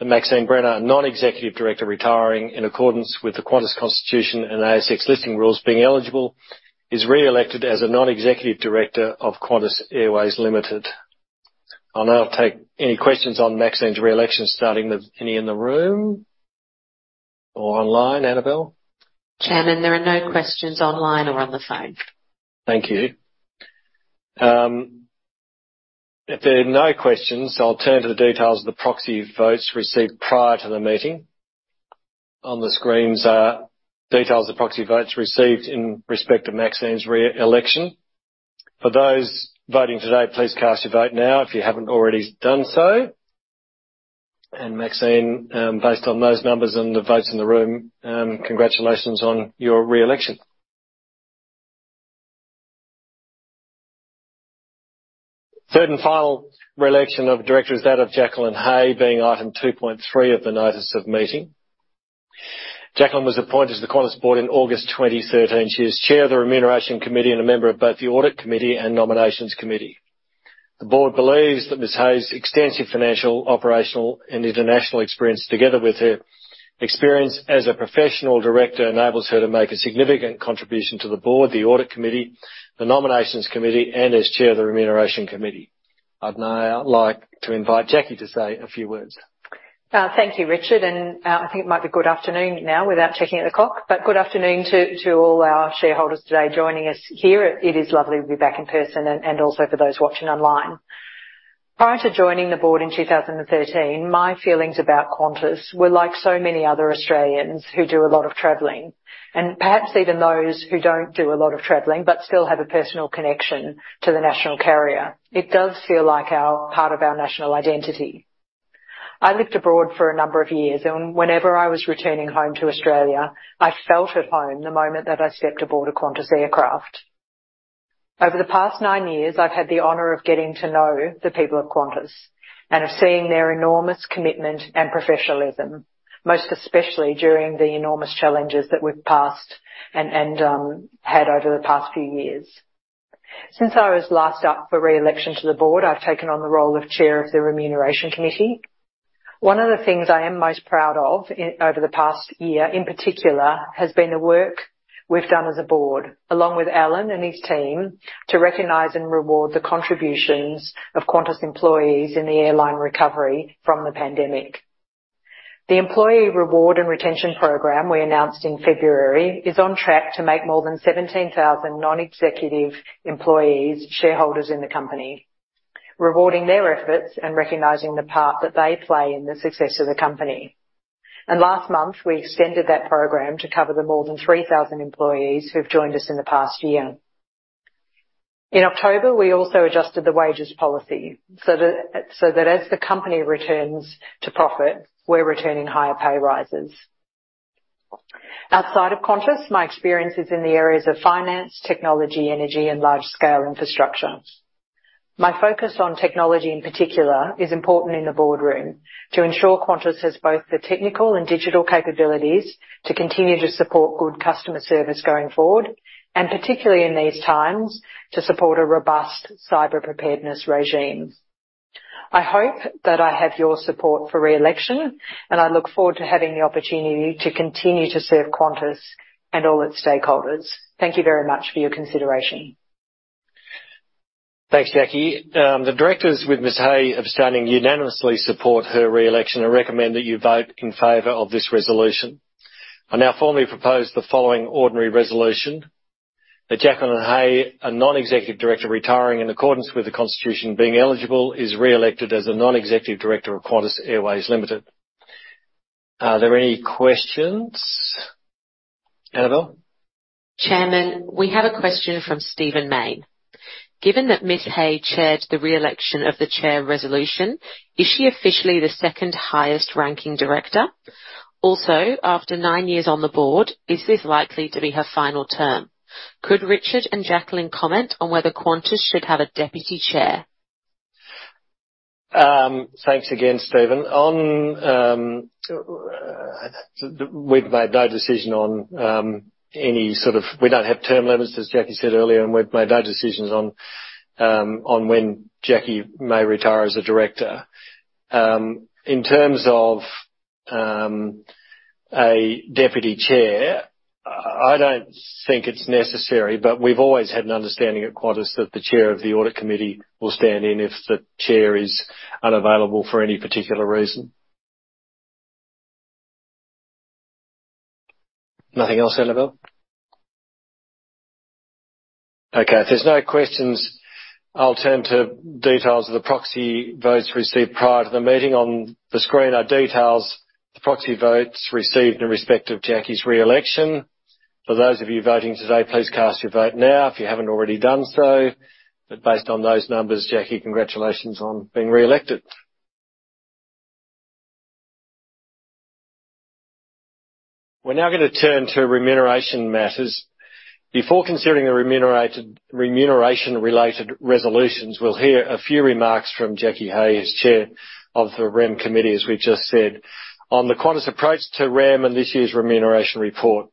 That Maxine Brenner, a Non-Executive Director retiring in accordance with the Qantas Constitution and ASX Listing Rules, being eligible, is re-elected as a Non-Executive Director of Qantas Airways Limited. I'll now take any questions on Maxine's re-election, starting with any in the room or online. Anabel? Chairman, there are no questions online or on the phone. Thank you. If there are no questions, I'll turn to the details of the proxy votes received prior to the meeting. On the screens are details of proxy votes received in respect to Maxine's re-election. For those voting today, please cast your vote now if you haven't already done so. Maxine, based on those numbers and the votes in the room, congratulations on your re-election. Third and final re-election of director is that of Jacqueline Hey, being Item 2.3 of the Notice of Meeting. Jacqueline was appointed to the Qantas Board in August 2013. She is Chair of the Remuneration Committee and a member of both the Audit Committee and Nominations Committee. The Board believes that Ms. Hey's extensive financial, operational, and international experience, together with her experience as a professional director, enables her to make a significant contribution to the Board, the Audit Committee, the Nominations Committee, and as Chair of the Remuneration Committee. I'd now like to invite Jackie to say a few words. Thank you, Richard. I think it might be good afternoon now without checking at the clock. Good afternoon to all our shareholders today joining us here. It is lovely to be back in person and also for those watching online. Prior to joining the board in 2013, my feelings about Qantas were like so many other Australians who do a lot of traveling, and perhaps even those who don't do a lot of traveling but still have a personal connection to the national carrier. It does feel like part of our national identity. I lived abroad for a number of years, and whenever I was returning home to Australia, I felt at home the moment that I stepped aboard a Qantas aircraft. Over the past nine years, I've had the honor of getting to know the people of Qantas and of seeing their enormous commitment and professionalism, most especially during the enormous challenges that we've passed and had over the past few years. Since I was last up for re-election to the Board, I've taken on the role of Chair of the Remuneration Committee. One of the things I am most proud of over the past year, in particular, has been the work we've done as a board, along with Alan and his team, to recognize and reward the contributions of Qantas employees in the airline recovery from the pandemic. The employee reward and retention program we announced in February is on track to make more than 17,000 non-executive employees shareholders in the company, rewarding their efforts and recognizing the part that they play in the success of the company. Last month, we extended that program to cover the more than 3,000 employees who've joined us in the past year. In October, we also adjusted the wages policy so that as the company returns to profit, we're returning higher pay rises. Outside of Qantas, my experience is in the areas of finance, technology, energy, and large-scale infrastructure. My focus on technology, in particular, is important in the boardroom to ensure Qantas has both the technical and digital capabilities to continue to support good customer service going forward, and particularly in these times, to support a robust cyber preparedness regime. I hope that I have your support for re-election, and I look forward to having the opportunity to continue to serve Qantas and all its stakeholders. Thank you very much for your consideration. Thanks, Jackie. The directors with Ms. Hey abstaining unanimously support her re-election. I recommend that you vote in favor of this resolution. I now formally propose the following ordinary resolution. That Jacqueline Hey, a Non-Executive Director retiring in accordance with the Constitution, being eligible, is re-elected as a Non-Executive Director of Qantas Airways Limited. Are there any questions? Anabel? Chairman, we have a question from Stephen Mayne. Given that Ms. Hey chaired the re-election of the chair resolution, is she officially the second highest-ranking director? Also, after nine years on the board, is this likely to be her final term? Could Richard and Jacqueline comment on whether Qantas should have a deputy chair? Thanks again, Steven. On, we've made no decision on. We don't have term limits, as Jacqueline said earlier, and we've made no decisions on when Jacqueline may retire as a director. In terms of a deputy chair, I don't think it's necessary, but we've always had an understanding at Qantas that the chair of the Audit Committee will stand in if the chair is unavailable for any particular reason. Nothing else, Anabel? Okay. If there's no questions, I'll turn to details of the proxy votes received prior to the meeting. On the screen are details of the proxy votes received in respect of Jacqueline's re-election. For those of you voting today, please cast your vote now if you haven't already done so. Based on those numbers, Jacqueline, congratulations on being re-elected. We're now gonna turn to remuneration matters. Before considering the remuneration-related resolutions, we'll hear a few remarks from Jacqueline Hey, as chair of the Rem committee, as we've just said, on the Qantas approach to Rem in this year's remuneration report.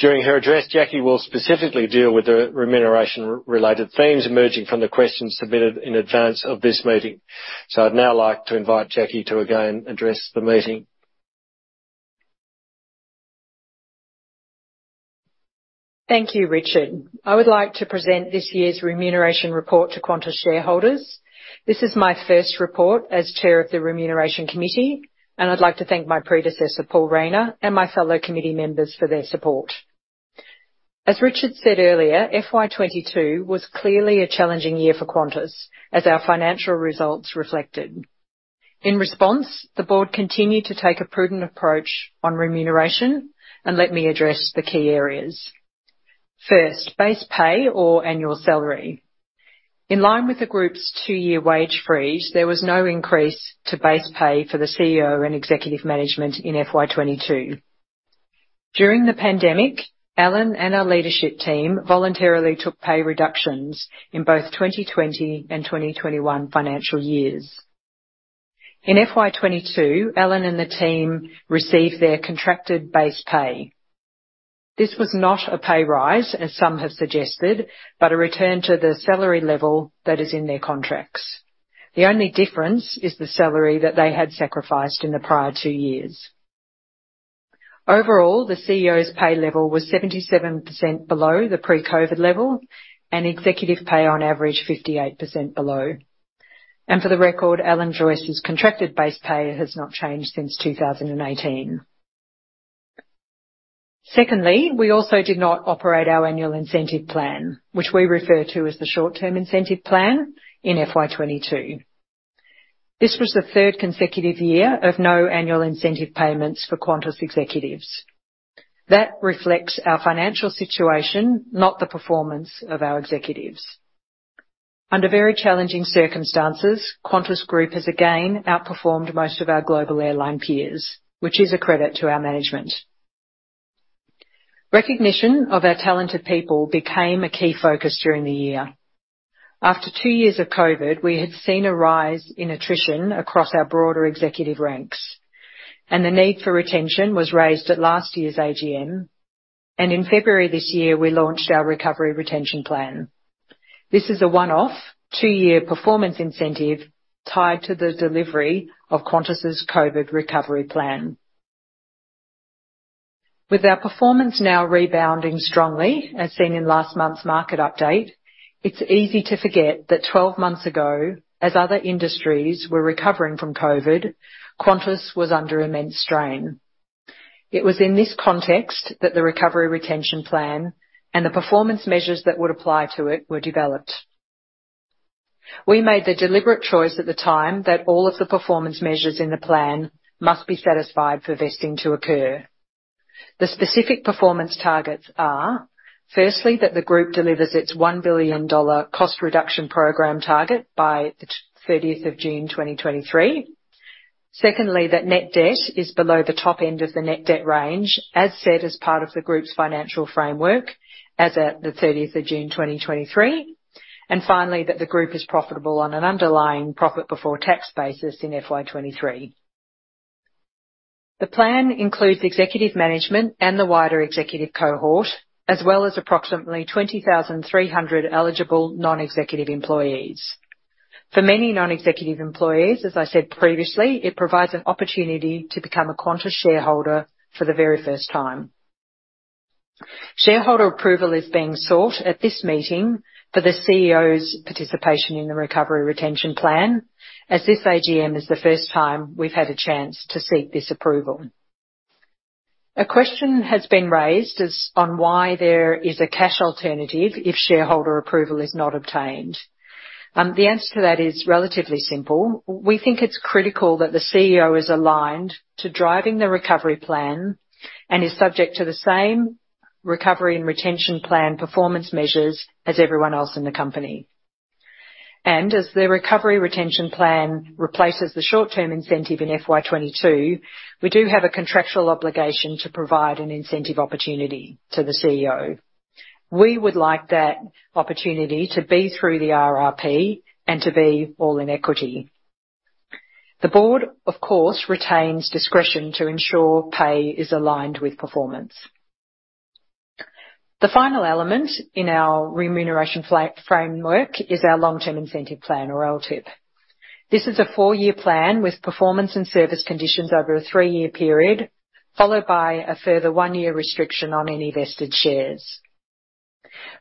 During her address, Jacqueline Hey will specifically deal with the remuneration-related themes emerging from the questions submitted in advance of this meeting. I'd now like to invite Jacqueline Hey to again address the meeting. Thank you, Richard. I would like to present this year's remuneration report to Qantas shareholders. This is my first report as chair of the Remuneration Committee, and I'd like to thank my predecessor, Paul Rayner, and my fellow committee members for their support. As Richard said earlier, FY 2022 was clearly a challenging year for Qantas as our financial results reflected. In response, the board continued to take a prudent approach on remuneration. Let me address the key areas. First, base pay or annual salary. In line with the group's two-year wage freeze, there was no increase to base pay for the CEO and executive management in FY 2022. During the pandemic, Alan and our leadership team voluntarily took pay reductions in both 2020 and 2021 financial years. In FY 2022, Alan and the team received their contracted base pay. This was not a pay rise, as some have suggested, but a return to the salary level that is in their contracts. The only difference is the salary that they had sacrificed in the prior two years. Overall, the CEO's pay level was 77% below the pre-COVID level and executive pay on average 58% below. For the record, Alan Joyce's contracted base pay has not changed since 2018. Secondly, we also did not operate our annual incentive plan, which we refer to as the short-term incentive plan in FY 2022. This was the third consecutive year of no annual incentive payments for Qantas executives. That reflects our financial situation, not the performance of our executives. Under very challenging circumstances, Qantas Group has again outperformed most of our global airline peers, which is a credit to our management. Recognition of our talented people became a key focus during the year. After two years of COVID, we had seen a rise in attrition across our broader executive ranks, and the need for retention was raised at last year's AGM. In February this year, we launched our recovery retention plan. This is a one-off two-year performance incentive tied to the delivery of Qantas' COVID recovery plan. With our performance now rebounding strongly, as seen in last month's market update, it's easy to forget that 12 months ago, as other industries were recovering from COVID, Qantas was under immense strain. It was in this context that the recovery retention plan and the performance measures that would apply to it were developed. We made the deliberate choice at the time that all of the performance measures in the plan must be satisfied for vesting to occur. The specific performance targets are, firstly, that the group delivers its 1 billion dollar cost reduction program target by the June 30th, 2023. Secondly, that net debt is below the top end of the net debt range, as set as part of the group's financial framework as at the June 30th, 2023. Finally, that the group is profitable on an underlying profit before tax basis in FY 2023. The plan includes executive management and the wider executive cohort, as well as approximately 20,300 eligible non-executive employees. For many non-executive employees, as I said previously, it provides an opportunity to become a Qantas shareholder for the very first time. Shareholder approval is being sought at this meeting for the CEO's participation in the recovery retention plan, as this AGM is the first time we've had a chance to seek this approval. A question has been raised as to why there is a cash alternative if shareholder approval is not obtained. The answer to that is relatively simple. We think it's critical that the CEO is aligned to driving the recovery plan and is subject to the same recovery and retention plan performance measures as everyone else in the company. As the recovery retention plan replaces the short-term incentive in FY 2022, we do have a contractual obligation to provide an incentive opportunity to the CEO. We would like that opportunity to be through the RRP and to be all in equity. The board, of course, retains discretion to ensure pay is aligned with performance. The final element in our remuneration framework is our long-term incentive plan or LTIP. This is a four-year plan with performance and service conditions over a three-year period, followed by a further one-year restriction on any vested shares.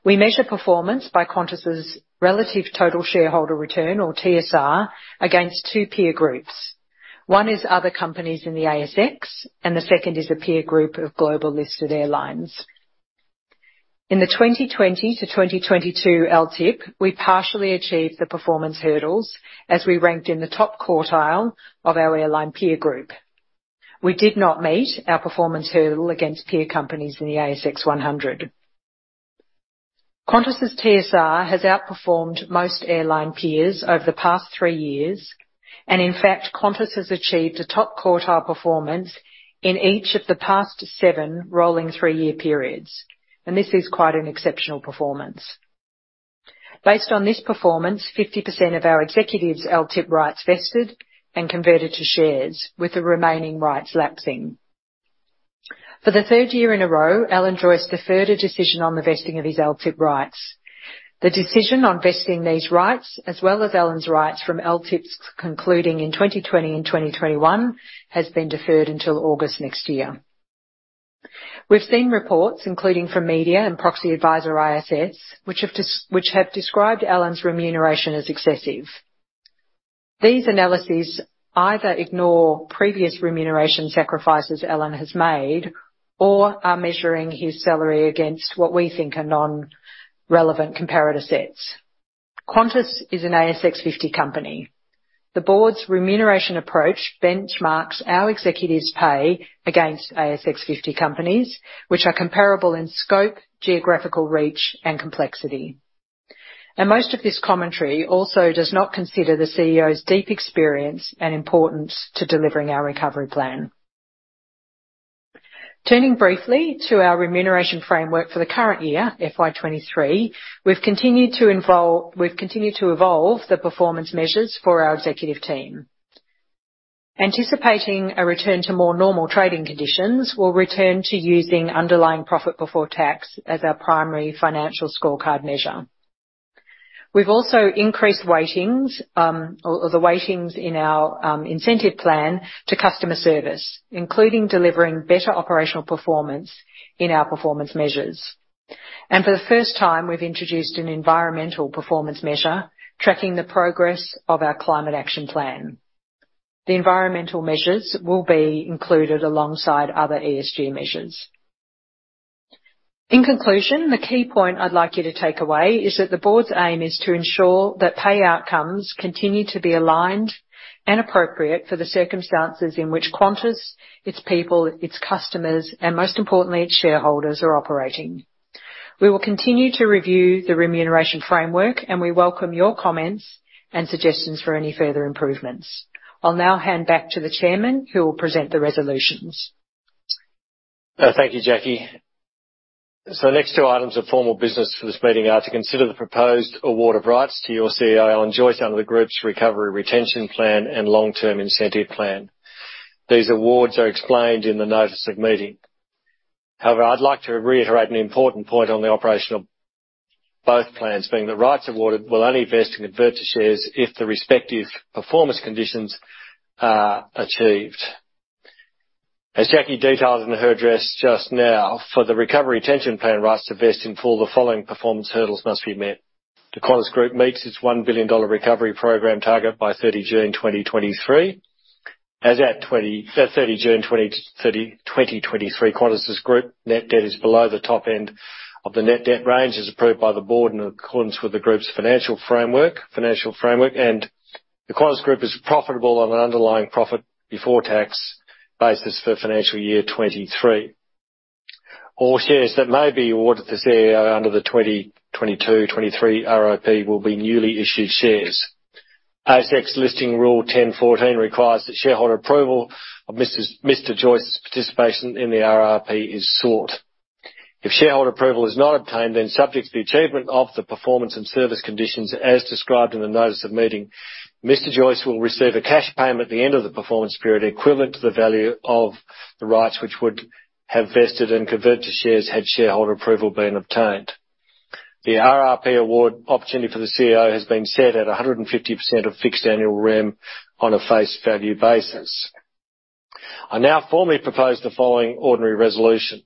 We measure performance by Qantas' relative total shareholder return or TSR against two peer groups. One is other companies in the ASX and the second is a peer group of global listed airlines. In the 2020 to 2022 LTIP, we partially achieved the performance hurdles as we ranked in the top quartile of our airline peer group. We did not meet our performance hurdle against peer companies in the ASX 100. Qantas' TSR has outperformed most airline peers over the past three years, and in fact, Qantas has achieved a top quartile performance in each of the past seven rolling three-year periods. This is quite an exceptional performance. Based on this performance, 50% of our executives' LTIP rights vested and converted to shares with the remaining rights lapsing. For the third year in a row, Alan Joyce deferred a decision on the vesting of his LTIP rights. The decision on vesting these rights, as well as Alan's rights from LTIPs concluding in 2020 and 2021, has been deferred until August next year. We've seen reports, including from media and proxy advisor ISS, which have described Alan's remuneration as excessive. These analyses either ignore previous remuneration sacrifices Alan has made or are measuring his salary against what we think are non-relevant comparator sets. Qantas is an ASX 50 company. The board's remuneration approach benchmarks our executives' pay against ASX 50 companies which are comparable in scope, geographical reach, and complexity. Most of this commentary also does not consider the CEO's deep experience and importance to delivering our recovery plan. Turning briefly to our remuneration framework for the current year, FY 2023, we've continued to evolve the performance measures for our executive team. Anticipating a return to more normal trading conditions, we'll return to using underlying profit before tax as our primary financial scorecard measure. We've also increased the weightings in our incentive plan to customer service, including delivering better operational performance in our performance measures. For the first time, we've introduced an environmental performance measure tracking the progress of our Climate Action Plan. The environmental measures will be included alongside other ESG measures. In conclusion, the key point I'd like you to take away is that the board's aim is to ensure that pay outcomes continue to be aligned and appropriate for the circumstances in which Qantas, its people, its customers, and most importantly, its shareholders are operating. We will continue to review the remuneration framework, and we welcome your comments and suggestions for any further improvements. I'll now hand back to the chairman who will present the resolutions. Thank you, Jackie. The next two items of formal business for this meeting are to consider the proposed award of rights to your CEO, Alan Joyce, under the group's recovery retention plan and long-term incentive plan. These awards are explained in the notice of meeting. However, I'd like to reiterate an important point on the operation of both plans, being the rights awarded will only vest and convert to shares if the respective performance conditions are achieved. As Jackie detailed in her address just now, for the recovery retention plan rights to vest in full, the following performance hurdles must be met. The Qantas Group meets its 1 billion dollar recovery program target by June 30, 2023. As at June 30, 2023, Qantas' group net debt is below the top end of the net debt range as approved by the board in accordance with the group's financial framework. The Qantas Group is profitable on an underlying profit before tax basis for financial year 2023. All shares that may be awarded to CEO under the 2022/2023 RRP will be newly issued shares. ASX Listing Rule 10.14 requires that shareholder approval of Mr. Joyce's participation in the RRP is sought. If shareholder approval is not obtained, then subject to the achievement of the performance and service conditions as described in the notice of meeting, Mr. Joyce will receive a cash payment at the end of the performance period equivalent to the value of the rights which would have vested and converted to shares had shareholder approval been obtained. The RRP award opportunity for the CEO has been set at 150% of fixed annual rem on a face value basis. I now formally propose the following ordinary resolution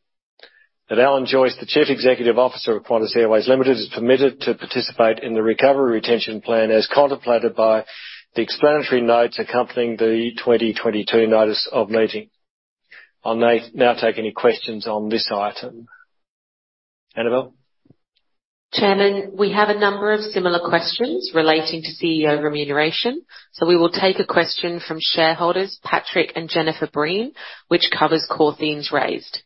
that Alan Joyce, the Chief Executive Officer of Qantas Airways Limited, is permitted to participate in the recovery retention plan as contemplated by the explanatory notes accompanying the 2022 notice of meeting. I'll now take any questions on this item. Anabel? Chairman, we have a number of similar questions relating to CEO remuneration. We will take a question from shareholders, Patrick and Jennifer Breen, which covers core themes raised.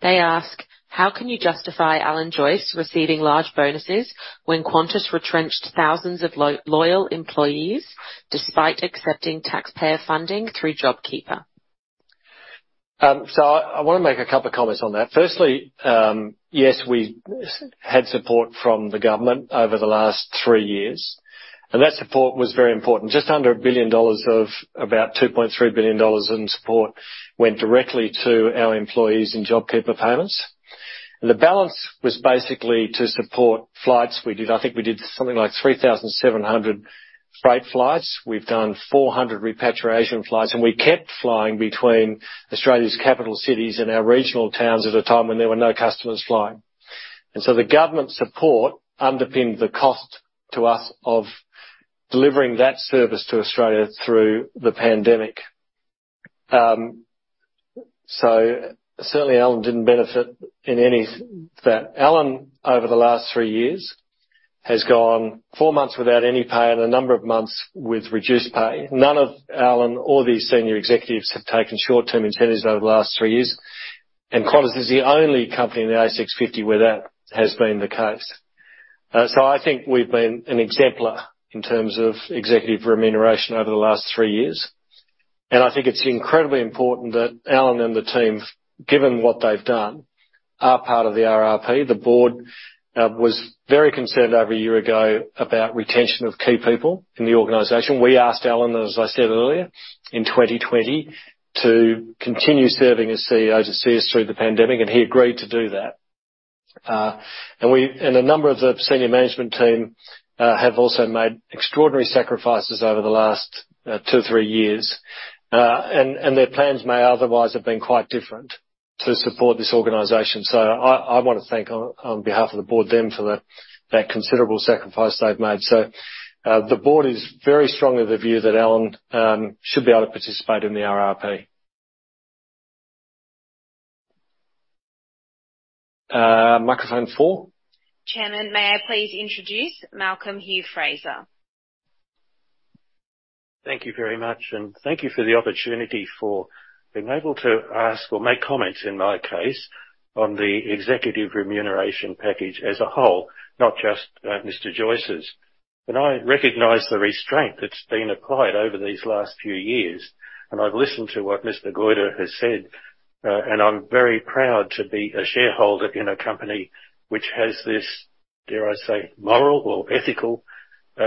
They ask, "How can you justify Alan Joyce receiving large bonuses when Qantas retrenched thousands of loyal employees despite accepting taxpayer funding through JobKeeper? I wanna make a couple of comments on that. Firstly, yes, we had support from the government over the last three years, and that support was very important. Just under 1 billion dollars of about 2.3 billion dollars in support went directly to our employees in JobKeeper payments. The balance was basically to support flights we did. I think we did something like 3,700 freight flights. We've done 400 repatriation flights, and we kept flying between Australia's capital cities and our regional towns at a time when there were no customers flying. The government support underpinned the costs to us of delivering that service to Australia through the pandemic. Certainly Alan didn't benefit in any of that. Alan, over the last three years, has gone four months without any pay and a number of months with reduced pay. None of Alan or these senior executives have taken short-term incentives over the last three years. Qantas is the only company in the ASX 50 where that has been the case. I think we've been an exemplar in terms of executive remuneration over the last three years. I think it's incredibly important that Alan and the team, given what they've done, are part of the RRP. The board was very concerned over a year ago about retention of key people in the organization. We asked Alan, as I said earlier, in 2020 to continue serving as CEO to see us through the pandemic, and he agreed to do that. A number of the senior management team have also made extraordinary sacrifices over the last two-three years. Their plans may otherwise have been quite different to support this organization. I wanna thank on behalf of the board them for that considerable sacrifice they've made. The board is very strongly of the view that Alan should be able to participate in the RRP. Microphone four. Chairman, may I please introduce Malcolm Hugh-Fraser. Thank you very much, and thank you for the opportunity for being able to ask or make comments in my case on the executive remuneration package as a whole, not just, Mr. Joyce's. I recognize the restraint that's been applied over these last few years, and I've listened to what Mr. Goyder has said, and I'm very proud to be a shareholder in a company which has this, dare I say, moral or ethical,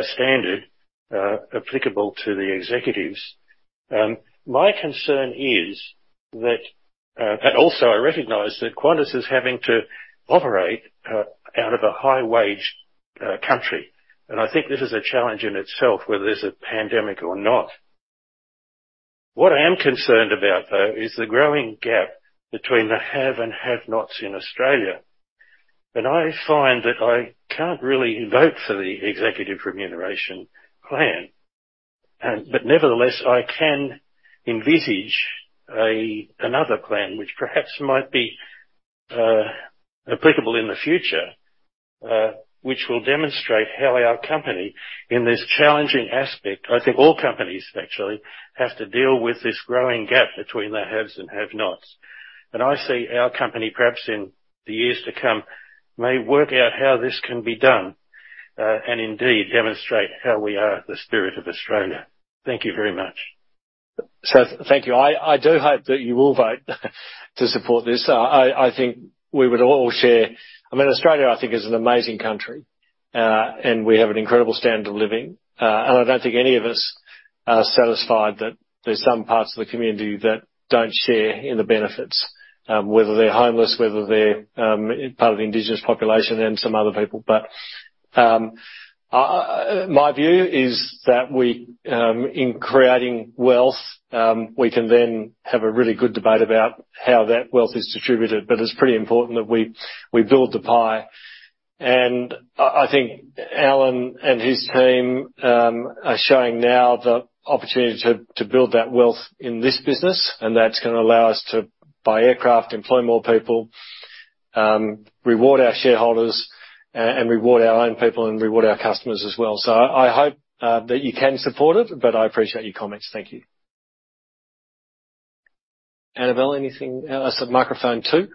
standard, applicable to the executives. My concern is that and also I recognize that Qantas is having to operate out of a high-wage country. I think this is a challenge in itself, whether there's a pandemic or not. What I am concerned about, though, is the growing gap between the have and have-nots in Australia. I find that I can't really vote for the executive remuneration plan. But nevertheless, I can envisage another plan which perhaps might be applicable in the future, which will demonstrate how our company, in this challenging aspect, I think all companies actually, have to deal with this growing gap between the haves and have-nots. I see our company perhaps in the years to come, may work out how this can be done, and indeed demonstrate how we are the spirit of Australia. Thank you very much. Thank you. I do hope that you will vote to support this. I think we would all share. I mean, Australia, I think, is an amazing country, and we have an incredible standard of living. I don't think any of us are satisfied that there's some parts of the community that don't share in the benefits, whether they're homeless, whether they're part of the indigenous population and some other people. My view is that we in creating wealth we can then have a really good debate about how that wealth is distributed. It's pretty important that we build the pie. I think Alan and his team are showing now the opportunity to build that wealth in this business, and that's gonna allow us to buy aircraft, employ more people, reward our shareholders and reward our own people, and reward our customers as well. I hope that you can support it, but I appreciate your comments. Thank you. Anabel, anything. So microphone two.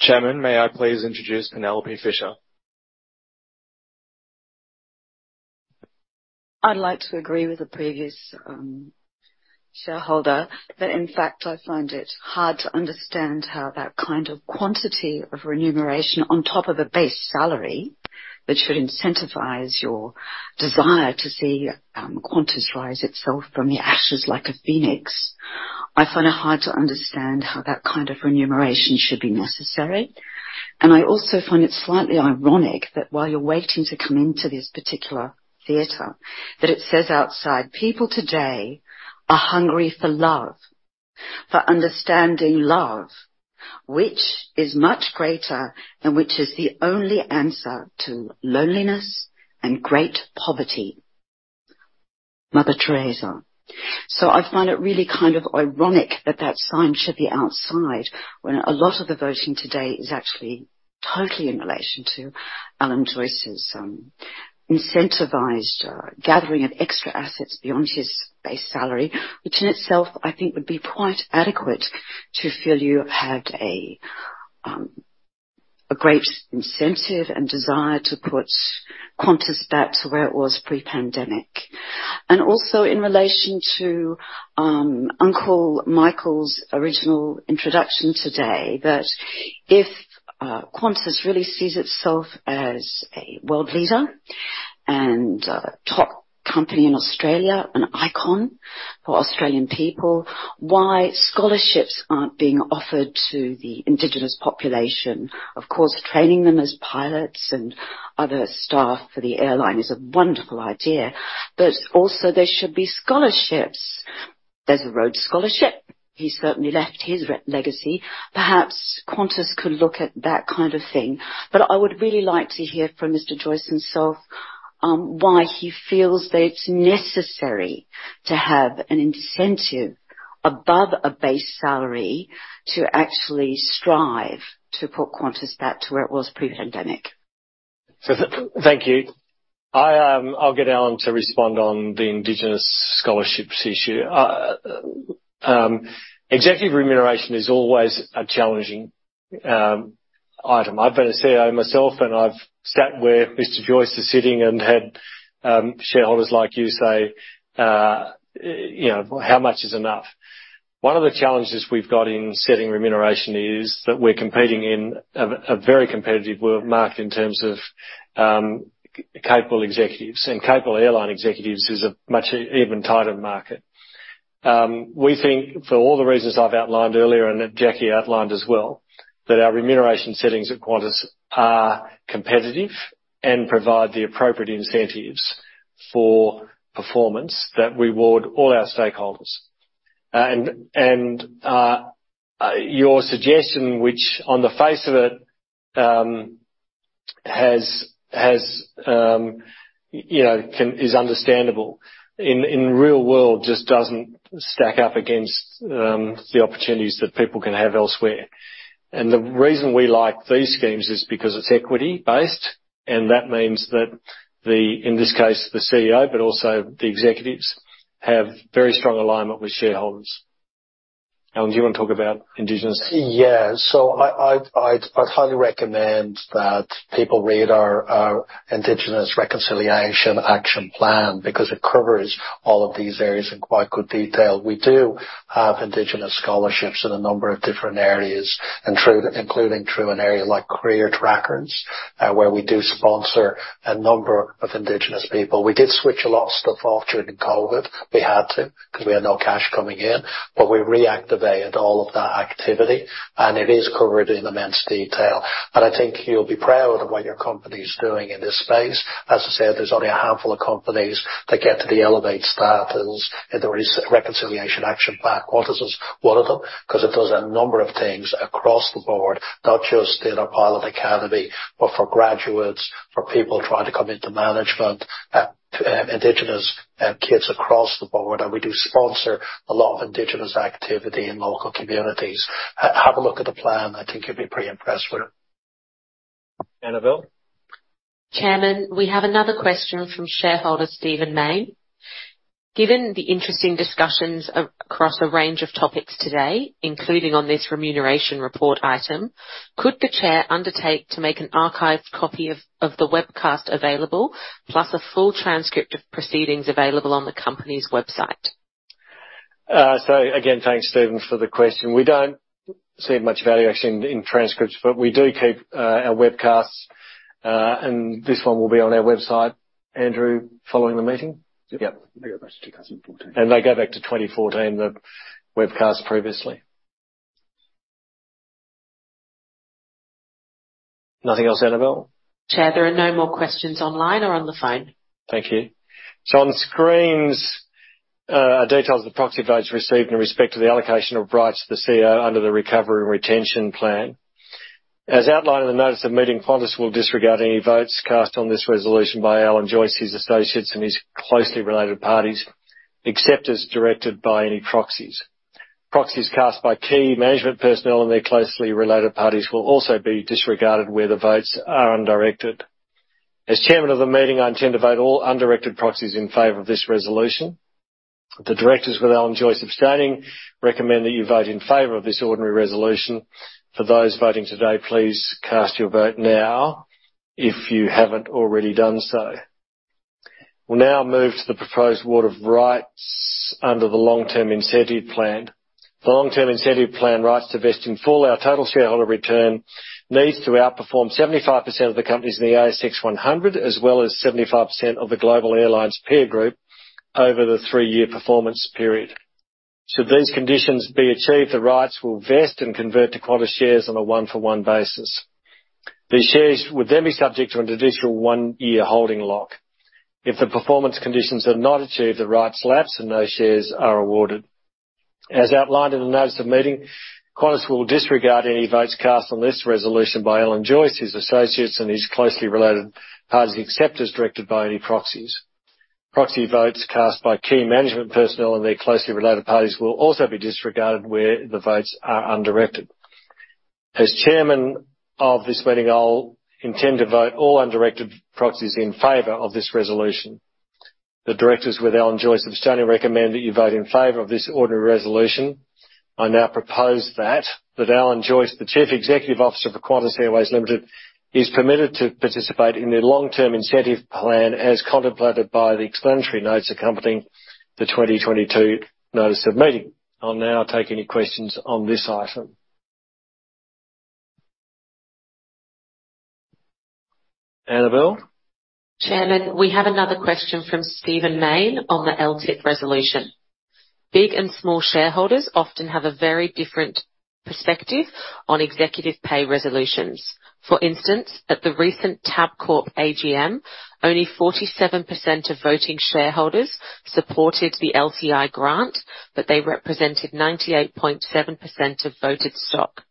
Chairman, may I please introduce Penelope Fischer. I'd like to agree with the previous shareholder, but in fact, I find it hard to understand how that kind of quantity of remuneration on top of a base salary, which would incentivize your desire to see Qantas rise itself from the ashes like a phoenix. I find it hard to understand how that kind of remuneration should be necessary. I also find it slightly ironic that while you're waiting to come into this particular theater, that it says outside, "People today are hungry for love, for understanding love, which is much greater and which is the only answer to loneliness and great poverty." Mother Teresa. I find it really kind of ironic that that sign should be outside when a lot of the voting today is actually totally in relation to Alan Joyce's incentivized gathering of extra assets beyond his base salary, which in itself I think would be quite adequate to feel you had a great incentive and desire to put Qantas back to where it was pre-pandemic. Also in relation to Uncle Michael West's original introduction today, that if Qantas really sees itself as a world leader and a top company in Australia, an icon for Australian people, why scholarships aren't being offered to the Indigenous population. Of course, training them as pilots and other staff for the airline is a wonderful idea, but also there should be scholarships. There's a Rhodes Scholarship. He certainly left his legacy. Perhaps Qantas could look at that kind of thing. I would really like to hear from Mr. Joyce himself, why he feels that it's necessary to have an incentive above a base salary to actually strive to put Qantas back to where it was pre-pandemic. Thank you. I'll get Alan to respond on the indigenous scholarships issue. Executive remuneration is always a challenging item. I've been a CEO myself, and I've sat where Mr. Joyce is sitting and had shareholders like you say, you know, "How much is enough?" One of the challenges we've got in setting remuneration is that we're competing in a very competitive work market in terms of capable executives and capable airline executives is a much even tighter market. We think for all the reasons I've outlined earlier and that Jackie outlined as well, that our remuneration settings at Qantas are competitive and provide the appropriate incentives for performance that reward all our stakeholders. Your suggestion, which on the face of it, you know, is understandable. In the real world, it just doesn't stack up against the opportunities that people can have elsewhere. The reason we like these schemes is because it's equity-based, and that means that the, in this case, the CEO, but also the executives, have very strong alignment with shareholders. Alan, do you wanna talk about Indigenous? I'd highly recommend that people read our Reconciliation Action Plan because it covers all of these areas in quite good detail. We do have Indigenous scholarships in a number of different areas and including through an area like CareerTrackers, where we do sponsor a number of Indigenous people. We did switch a lot of stuff off during COVID. We had to because we had no cash coming in, but we reactivated all of that activity and it is covered in immense detail. I think you'll be proud of what your company's doing in this space. As I said, there's only a handful of companies that get to the Elevate status, and there is Reconciliation Action Plan. Qantas is one of them because it does a number of things across the board, not just in our pilot academy, but for graduates, for people trying to come into management, Indigenous kids across the board. We do sponsor a lot of Indigenous activity in local communities. Have a look at the plan. I think you'll be pretty impressed with it. Anabel? Chairman, we have another question from shareholder Stephen Mayne. Given the interesting discussions across a range of topics today, including on this remuneration report item, could the chair undertake to make an archived copy of the webcast available, plus a full transcript of proceedings available on the company's website? Again, thanks, Stephen, for the question. We don't see much value actually in transcripts, but we do keep our webcasts. This one will be on our website, Andrew, following the meeting? Yep. Yep. They go back to 2014. They go back to 2014, the webcast previously. Nothing else, Anabel? Chair, there are no more questions online or on the phone. Thank you. On screens are details of the proxy votes received in respect to the allocation of rights to the CEO under the recovery and retention plan. As outlined in the notice of meeting, Qantas will disregard any votes cast on this resolution by Alan Joyce, his associates, and his closely related parties, except as directed by any proxies. Proxies cast by key management personnel and their closely related parties will also be disregarded where the votes are undirected. As chairman of the meeting, I intend to vote all undirected proxies in favor of this resolution. The directors, with Alan Joyce abstaining, recommend that you vote in favor of this ordinary resolution. For those voting today, please cast your vote now if you haven't already done so. We'll now move to the proposed award of rights under the long-term incentive plan. For long-term incentive plan rights to vest in full, our total shareholder return needs to outperform 75% of the companies in the S&P/ASX 100, as well as 75% of the global airlines peer group over the three-year performance period. Should these conditions be achieved, the rights will vest and convert to Qantas shares on a one-for-one basis. These shares would then be subject to an additional one-year holding lock. If the performance conditions are not achieved, the rights lapse and no shares are awarded. As outlined in the notice of meeting, Qantas will disregard any votes cast on this resolution by Alan Joyce, his associates, and his closely related parties, except as directed by any proxies. Proxy votes cast by key management personnel and their closely related parties will also be disregarded where the votes are undirected. As chairman of this meeting, I'll intend to vote all undirected proxies in favor of this resolution. The directors, with Alan Joyce abstaining, recommend that you vote in favor of this ordinary resolution. I now propose that Alan Joyce, the Chief Executive Officer for Qantas Airways Limited, is permitted to participate in the long-term incentive plan as contemplated by the explanatory notes accompanying the 2022 notice of meeting. I'll now take any questions on this item. Anabel? Chairman, we have another question from Stephen Mayne on the LTIP resolution. Big and small shareholders often have a very different perspective on executive pay resolutions. For instance, at the recent Tabcorp AGM, only 47% of voting shareholders supported the LTI grant, but they represented 98.7% of voted stock.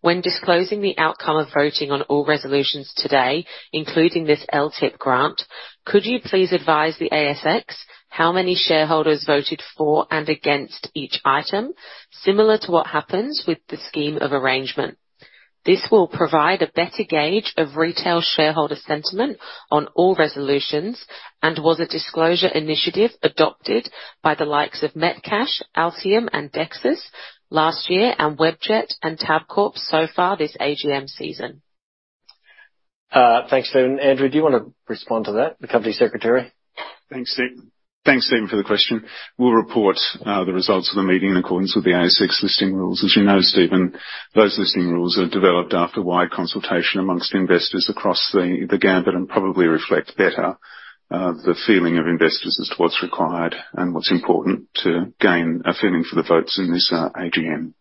When disclosing the outcome of voting on all resolutions today, including this LTIP grant, could you please advise the ASX how many shareholders voted for and against each item, similar to what happens with the scheme of arrangement? This will provide a better gauge of retail shareholder sentiment on all resolutions, and was a disclosure initiative adopted by the likes of Metcash, Altium and Dexus last year and Webjet and Tabcorp so far this AGM season. Thanks, Stephen. Andrew, do you want to respond to that, the company secretary? Thanks, Stephen, for the question. We'll report the results of the meeting in accordance with the ASX Listing Rules. As you know, Stephen, those Listing Rules are developed after wide consultation among investors across the gamut and probably reflect better the feeling of investors as to what's required and what's important to gain a feeling for the votes in this AGM.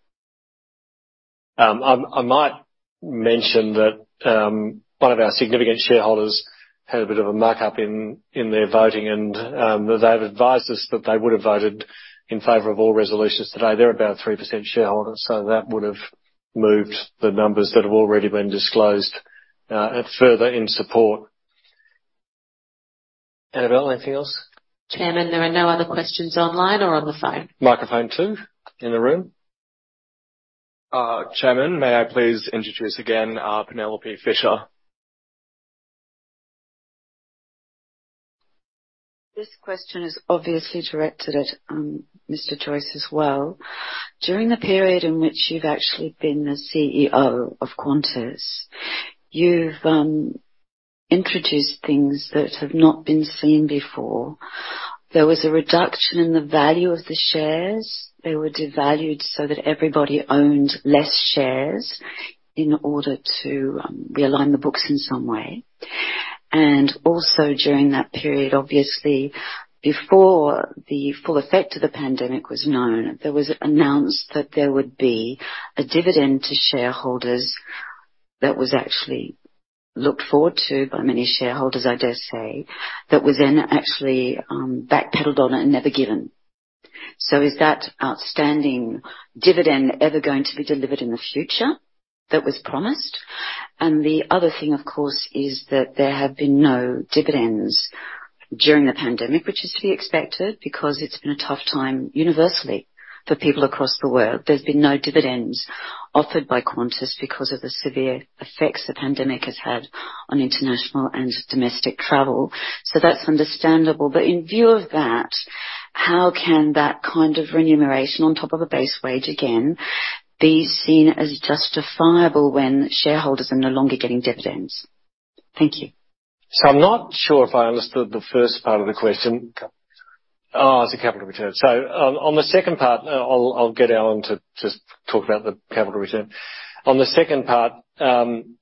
I might mention that one of our significant shareholders had a bit of a muck up in their voting and they've advised us that they would have voted in favor of all resolutions today. They're about 3% shareholders, so that would have moved the numbers that have already been disclosed further in support. Anabel, anything else? Chairman, there are no other questions online or on the phone. Microphone two in the room. Chairman, may I please introduce again, Penelope Fischer. This question is obviously directed at Mr. Joyce as well. During the period in which you've actually been the CEO of Qantas, you've introduced things that have not been seen before. There was a reduction in the value of the shares. They were devalued so that everybody owned less shares in order to realign the books in some way. Also during that period, obviously, before the full effect of the pandemic was known, there was announced that there would be a dividend to shareholders that was actually looked forward to by many shareholders, I dare say, that was then actually backpedaled on and never given. Is that outstanding dividend ever going to be delivered in the future that was promised? The other thing, of course, is that there have been no dividends during the pandemic, which is to be expected because it's been a tough time universally for people across the world. There's been no dividends offered by Qantas because of the severe effects the pandemic has had on international and domestic travel. That's understandable. In view of that, how can that kind of remuneration on top of a base wage again, be seen as justifiable when shareholders are no longer getting dividends? Thank you. I'm not sure if I understood the first part of the question. Oh, it's the capital return. On the second part, I'll get Alan to just talk about the capital return. On the second part, clearly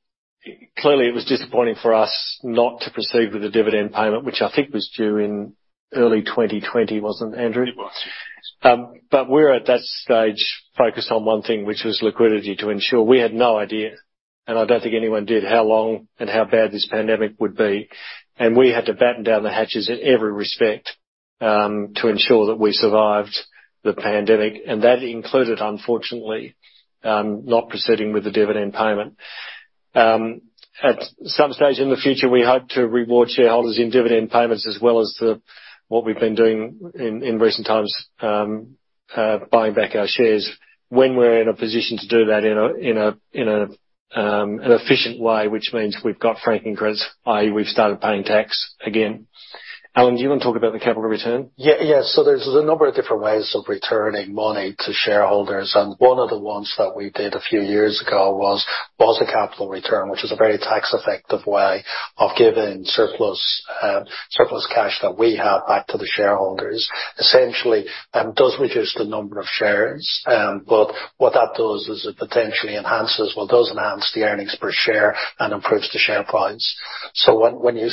it was disappointing for us not to proceed with the dividend payment, which I think was due in early 2020, wasn't Andrew? It was, yes. We're at that stage focused on one thing, which was liquidity to ensure. We had no idea, and I don't think anyone did, how long and how bad this pandemic would be. We had to batten down the hatches in every respect to ensure that we survived the pandemic. That included, unfortunately, not proceeding with the dividend payment. At some stage in the future, we hope to reward shareholders in dividend payments as well as what we've been doing in recent times, buying back our shares when we're in a position to do that in an efficient way, which means we've got franking credits, i.e., we've started paying tax again. Alan, do you want to talk about the capital return? Yes. There's a number of different ways of returning money to shareholders, and one of the ones that we did a few years ago was a capital return, which is a very tax effective way of giving surplus cash that we have back to the shareholders. Essentially, does reduce the number of shares. But what that does is it potentially enhances or does enhance the earnings per share and improves the share price. When you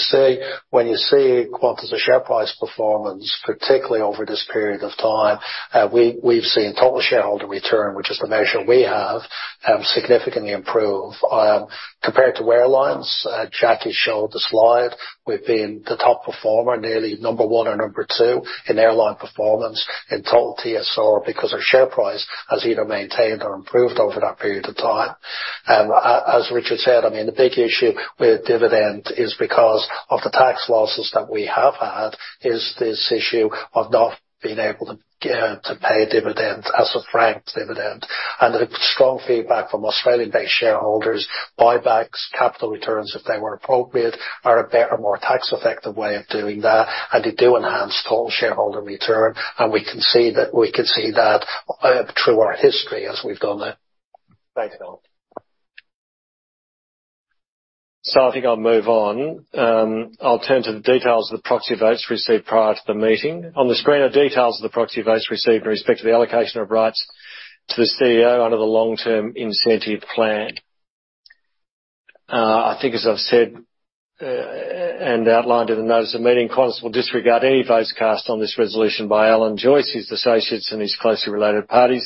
see Qantas' share price performance, particularly over this period of time, we've seen total shareholder return, which is the measure we have, significantly improve compared to airlines. Jackie showed the slide. We've been the top performer, nearly number one or number two in airline performance in total TSR because our share price has either maintained or improved over that period of time. As Richard said, I mean, the big issue with dividend is because of the tax losses that we have had is this issue of not being able to pay a dividend as a franked dividend. The strong feedback from Australian-based shareholders, buybacks, capital returns, if they were appropriate, are a better, more tax-effective way of doing that, and they do enhance total shareholder return. We can see that through our history as we've done that. Thanks, Alan. I think I'll move on. I'll turn to the details of the proxy votes received prior to the meeting. On the screen are details of the proxy votes received in respect to the allocation of rights to the CEO under the long-term incentive plan. I think as I've said, and outlined in the notice of meeting, Qantas will disregard any votes cast on this resolution by Alan Joyce, his associates, and his closely related parties,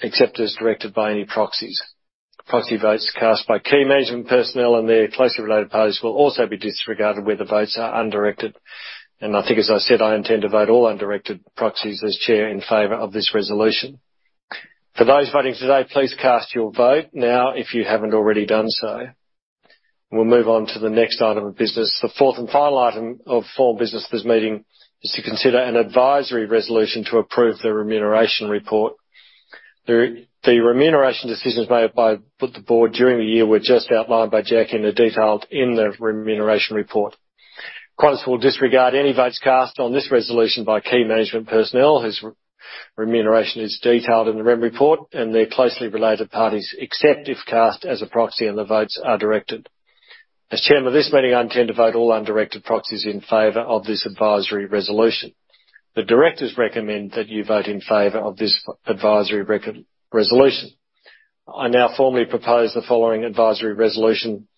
except as directed by any proxies. Proxy votes cast by key management personnel and their closely related parties will also be disregarded where the votes are undirected. I think, as I said, I intend to vote all undirected proxies as chair in favor of this resolution. For those voting today, please cast your vote now if you haven't already done so. We'll move on to the next item of business. The fourth and final item of formal business of this meeting is to consider an advisory resolution to approve the remuneration report. The remuneration decisions made by the board during the year were just outlined by Jackie, and they're detailed in the remuneration report. Qantas will disregard any votes cast on this resolution by key management personnel whose remuneration is detailed in the remuneration report and their closely related parties, except if cast as a proxy and the votes are directed. As chairman of this meeting, I intend to vote all undirected proxies in favor of this advisory resolution. The directors recommend that you vote in favor of this advisory resolution. I now formally propose the following advisory resolution,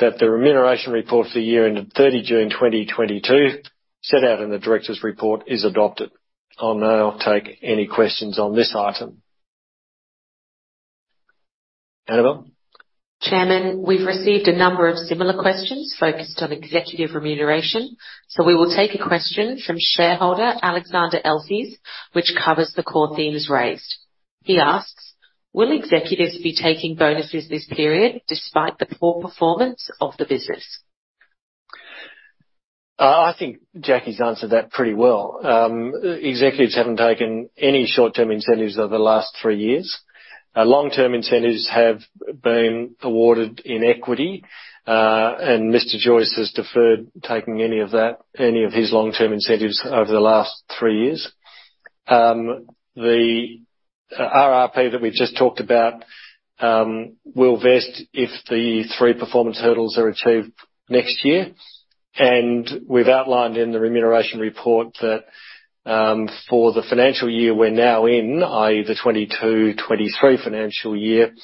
that the remuneration report for the year ended June 30, 2022, set out in the directors' report, is adopted. I'll now take any questions on this item. Anabel? Chairman, we've received a number of similar questions focused on executive remuneration. We will take a question from shareholder Alexander Elsis, which covers the core themes raised. He asks, "Will executives be taking bonuses this period despite the poor performance of the business? I think Jackie's answered that pretty well. Executives haven't taken any short-term incentives over the last three years. Long-term incentives have been awarded in equity, and Mr. Joyce has deferred taking any of that, any of his long-term incentives over the last three years. The RRP that we've just talked about will vest if the three performance hurdles are achieved next year. We've outlined in the remuneration report that for the financial year we're now in, i.e., the 2022/2023 financial year,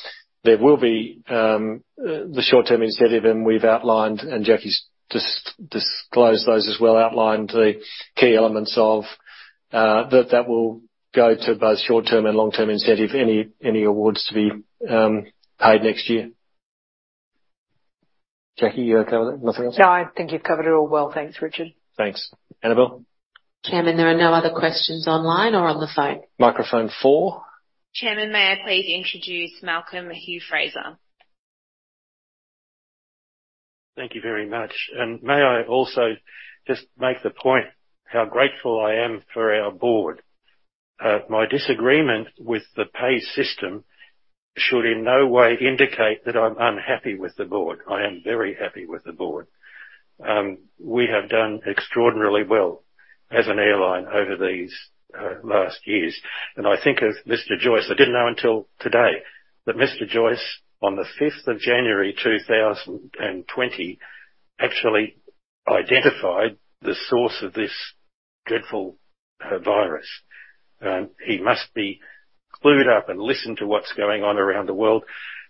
there will be the short-term incentive. We've outlined, and Jackie's disclosed those as well, outlined the key elements of that that will go to both short-term and long-term incentive, any awards to be paid next year. Jackie, you okay with that? Nothing else? No, I think you've covered it all well. Thanks, Richard. Thanks. Anabel? Chairman, there are no other questions online or on the phone. Microphone 4. Chairman, may I please introduce Malcolm Hugh-Fraser. Thank you very much. May I also just make the point how grateful I am for our board. My disagreement with the pay system should in no way indicate that I'm unhappy with the board. I am very happy with the board. We have done extraordinarily well as an airline over these last years. I think of Mr. Joyce. I didn't know until today that Mr. Joyce, on the fifth of January 2020, actually identified the source of this dreadful virus. He must be clued up and listen to what's going on around the world.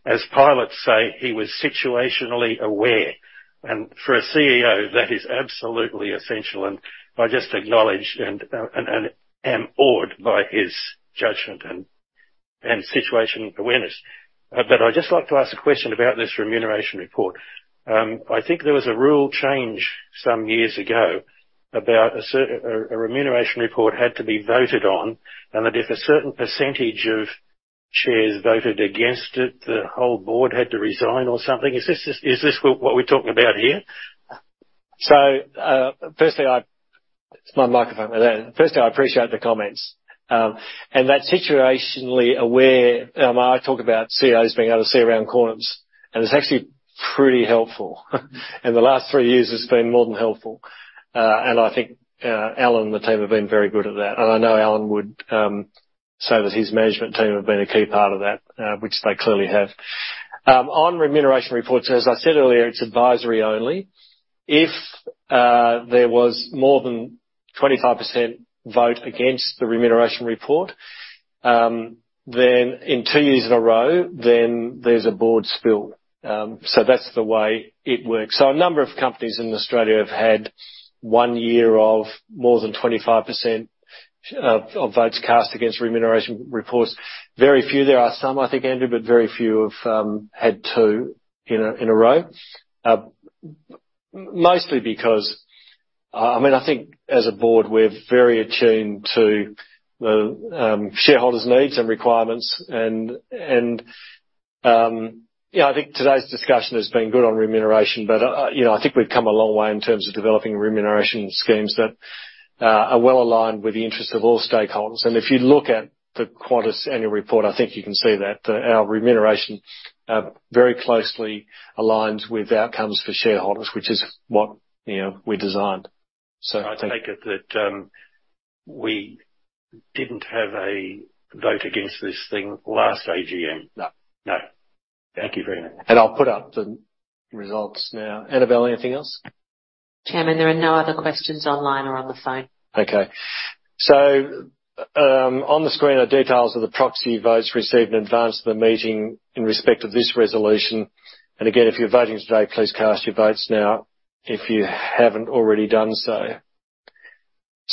As pilots say, he was situationally aware. For a CEO, that is absolutely essential. I just acknowledge and am awed by his judgment and situation awareness. I'd just like to ask a question about this remuneration report. I think there was a rule change some years ago about a remuneration report had to be voted on, and that if a certain percentage of shares voted against it, the whole board had to resign or something. Is this what we're talking about here? Firstly, I appreciate the comments. That situationally aware, I talk about CEOs being able to see around corners, and it's actually pretty helpful. In the last three years, it's been more than helpful. I think Alan and the team have been very good at that. I know Alan would say that his management team have been a key part of that, which they clearly have. On remuneration reports, as I said earlier, it's advisory only. If there was more than 25% vote against the remuneration report, then in two years in a row, then there's a board spill. That's the way it works. A number of companies in Australia have had one year of more than 25% of votes cast against remuneration reports. Very few. There are some, I think, Andrew, but very few have had two in a row. Mostly because, I mean, I think as a board, we're very attuned to the shareholders' needs and requirements. Yeah, I think today's discussion has been good on remuneration, but you know, I think we've come a long way in terms of developing remuneration schemes that are well aligned with the interests of all stakeholders. If you look at the Qantas annual report, I think you can see that our remuneration very closely aligns with outcomes for shareholders, which is what you know, we designed. I take it that, we didn't have a vote against this thing last AGM. No. No. Thank you very much. I'll put up the results now. Anabel, anything else? Chairman, there are no other questions online or on the phone. Okay. On the screen are details of the proxy votes received in advance of the meeting in respect of this resolution. Again, if you're voting today, please cast your votes now if you haven't already done so.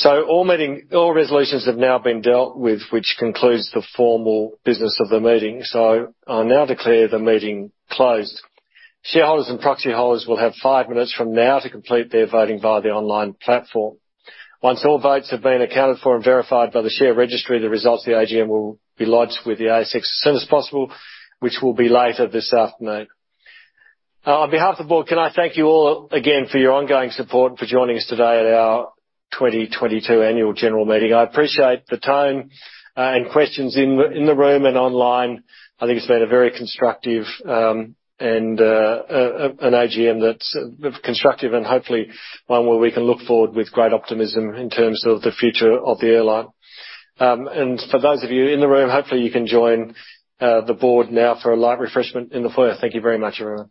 All resolutions have now been dealt with, which concludes the formal business of the meeting. I now declare the meeting closed. Shareholders and proxy holders will have five minutes from now to complete their voting via the online platform. Once all votes have been accounted for and verified by the share registry, the results of the AGM will be lodged with the ASX as soon as possible, which will be later this afternoon. On behalf of the board, can I thank you all again for your ongoing support and for joining us today at our 2022 annual general meeting. I appreciate the tone and questions in the room and online. I think it's been a very constructive AGM that's constructive and hopefully one where we can look forward with great optimism in terms of the future of the airline. For those of you in the room, hopefully you can join the board now for a light refreshment in the foyer. Thank you very much, everyone.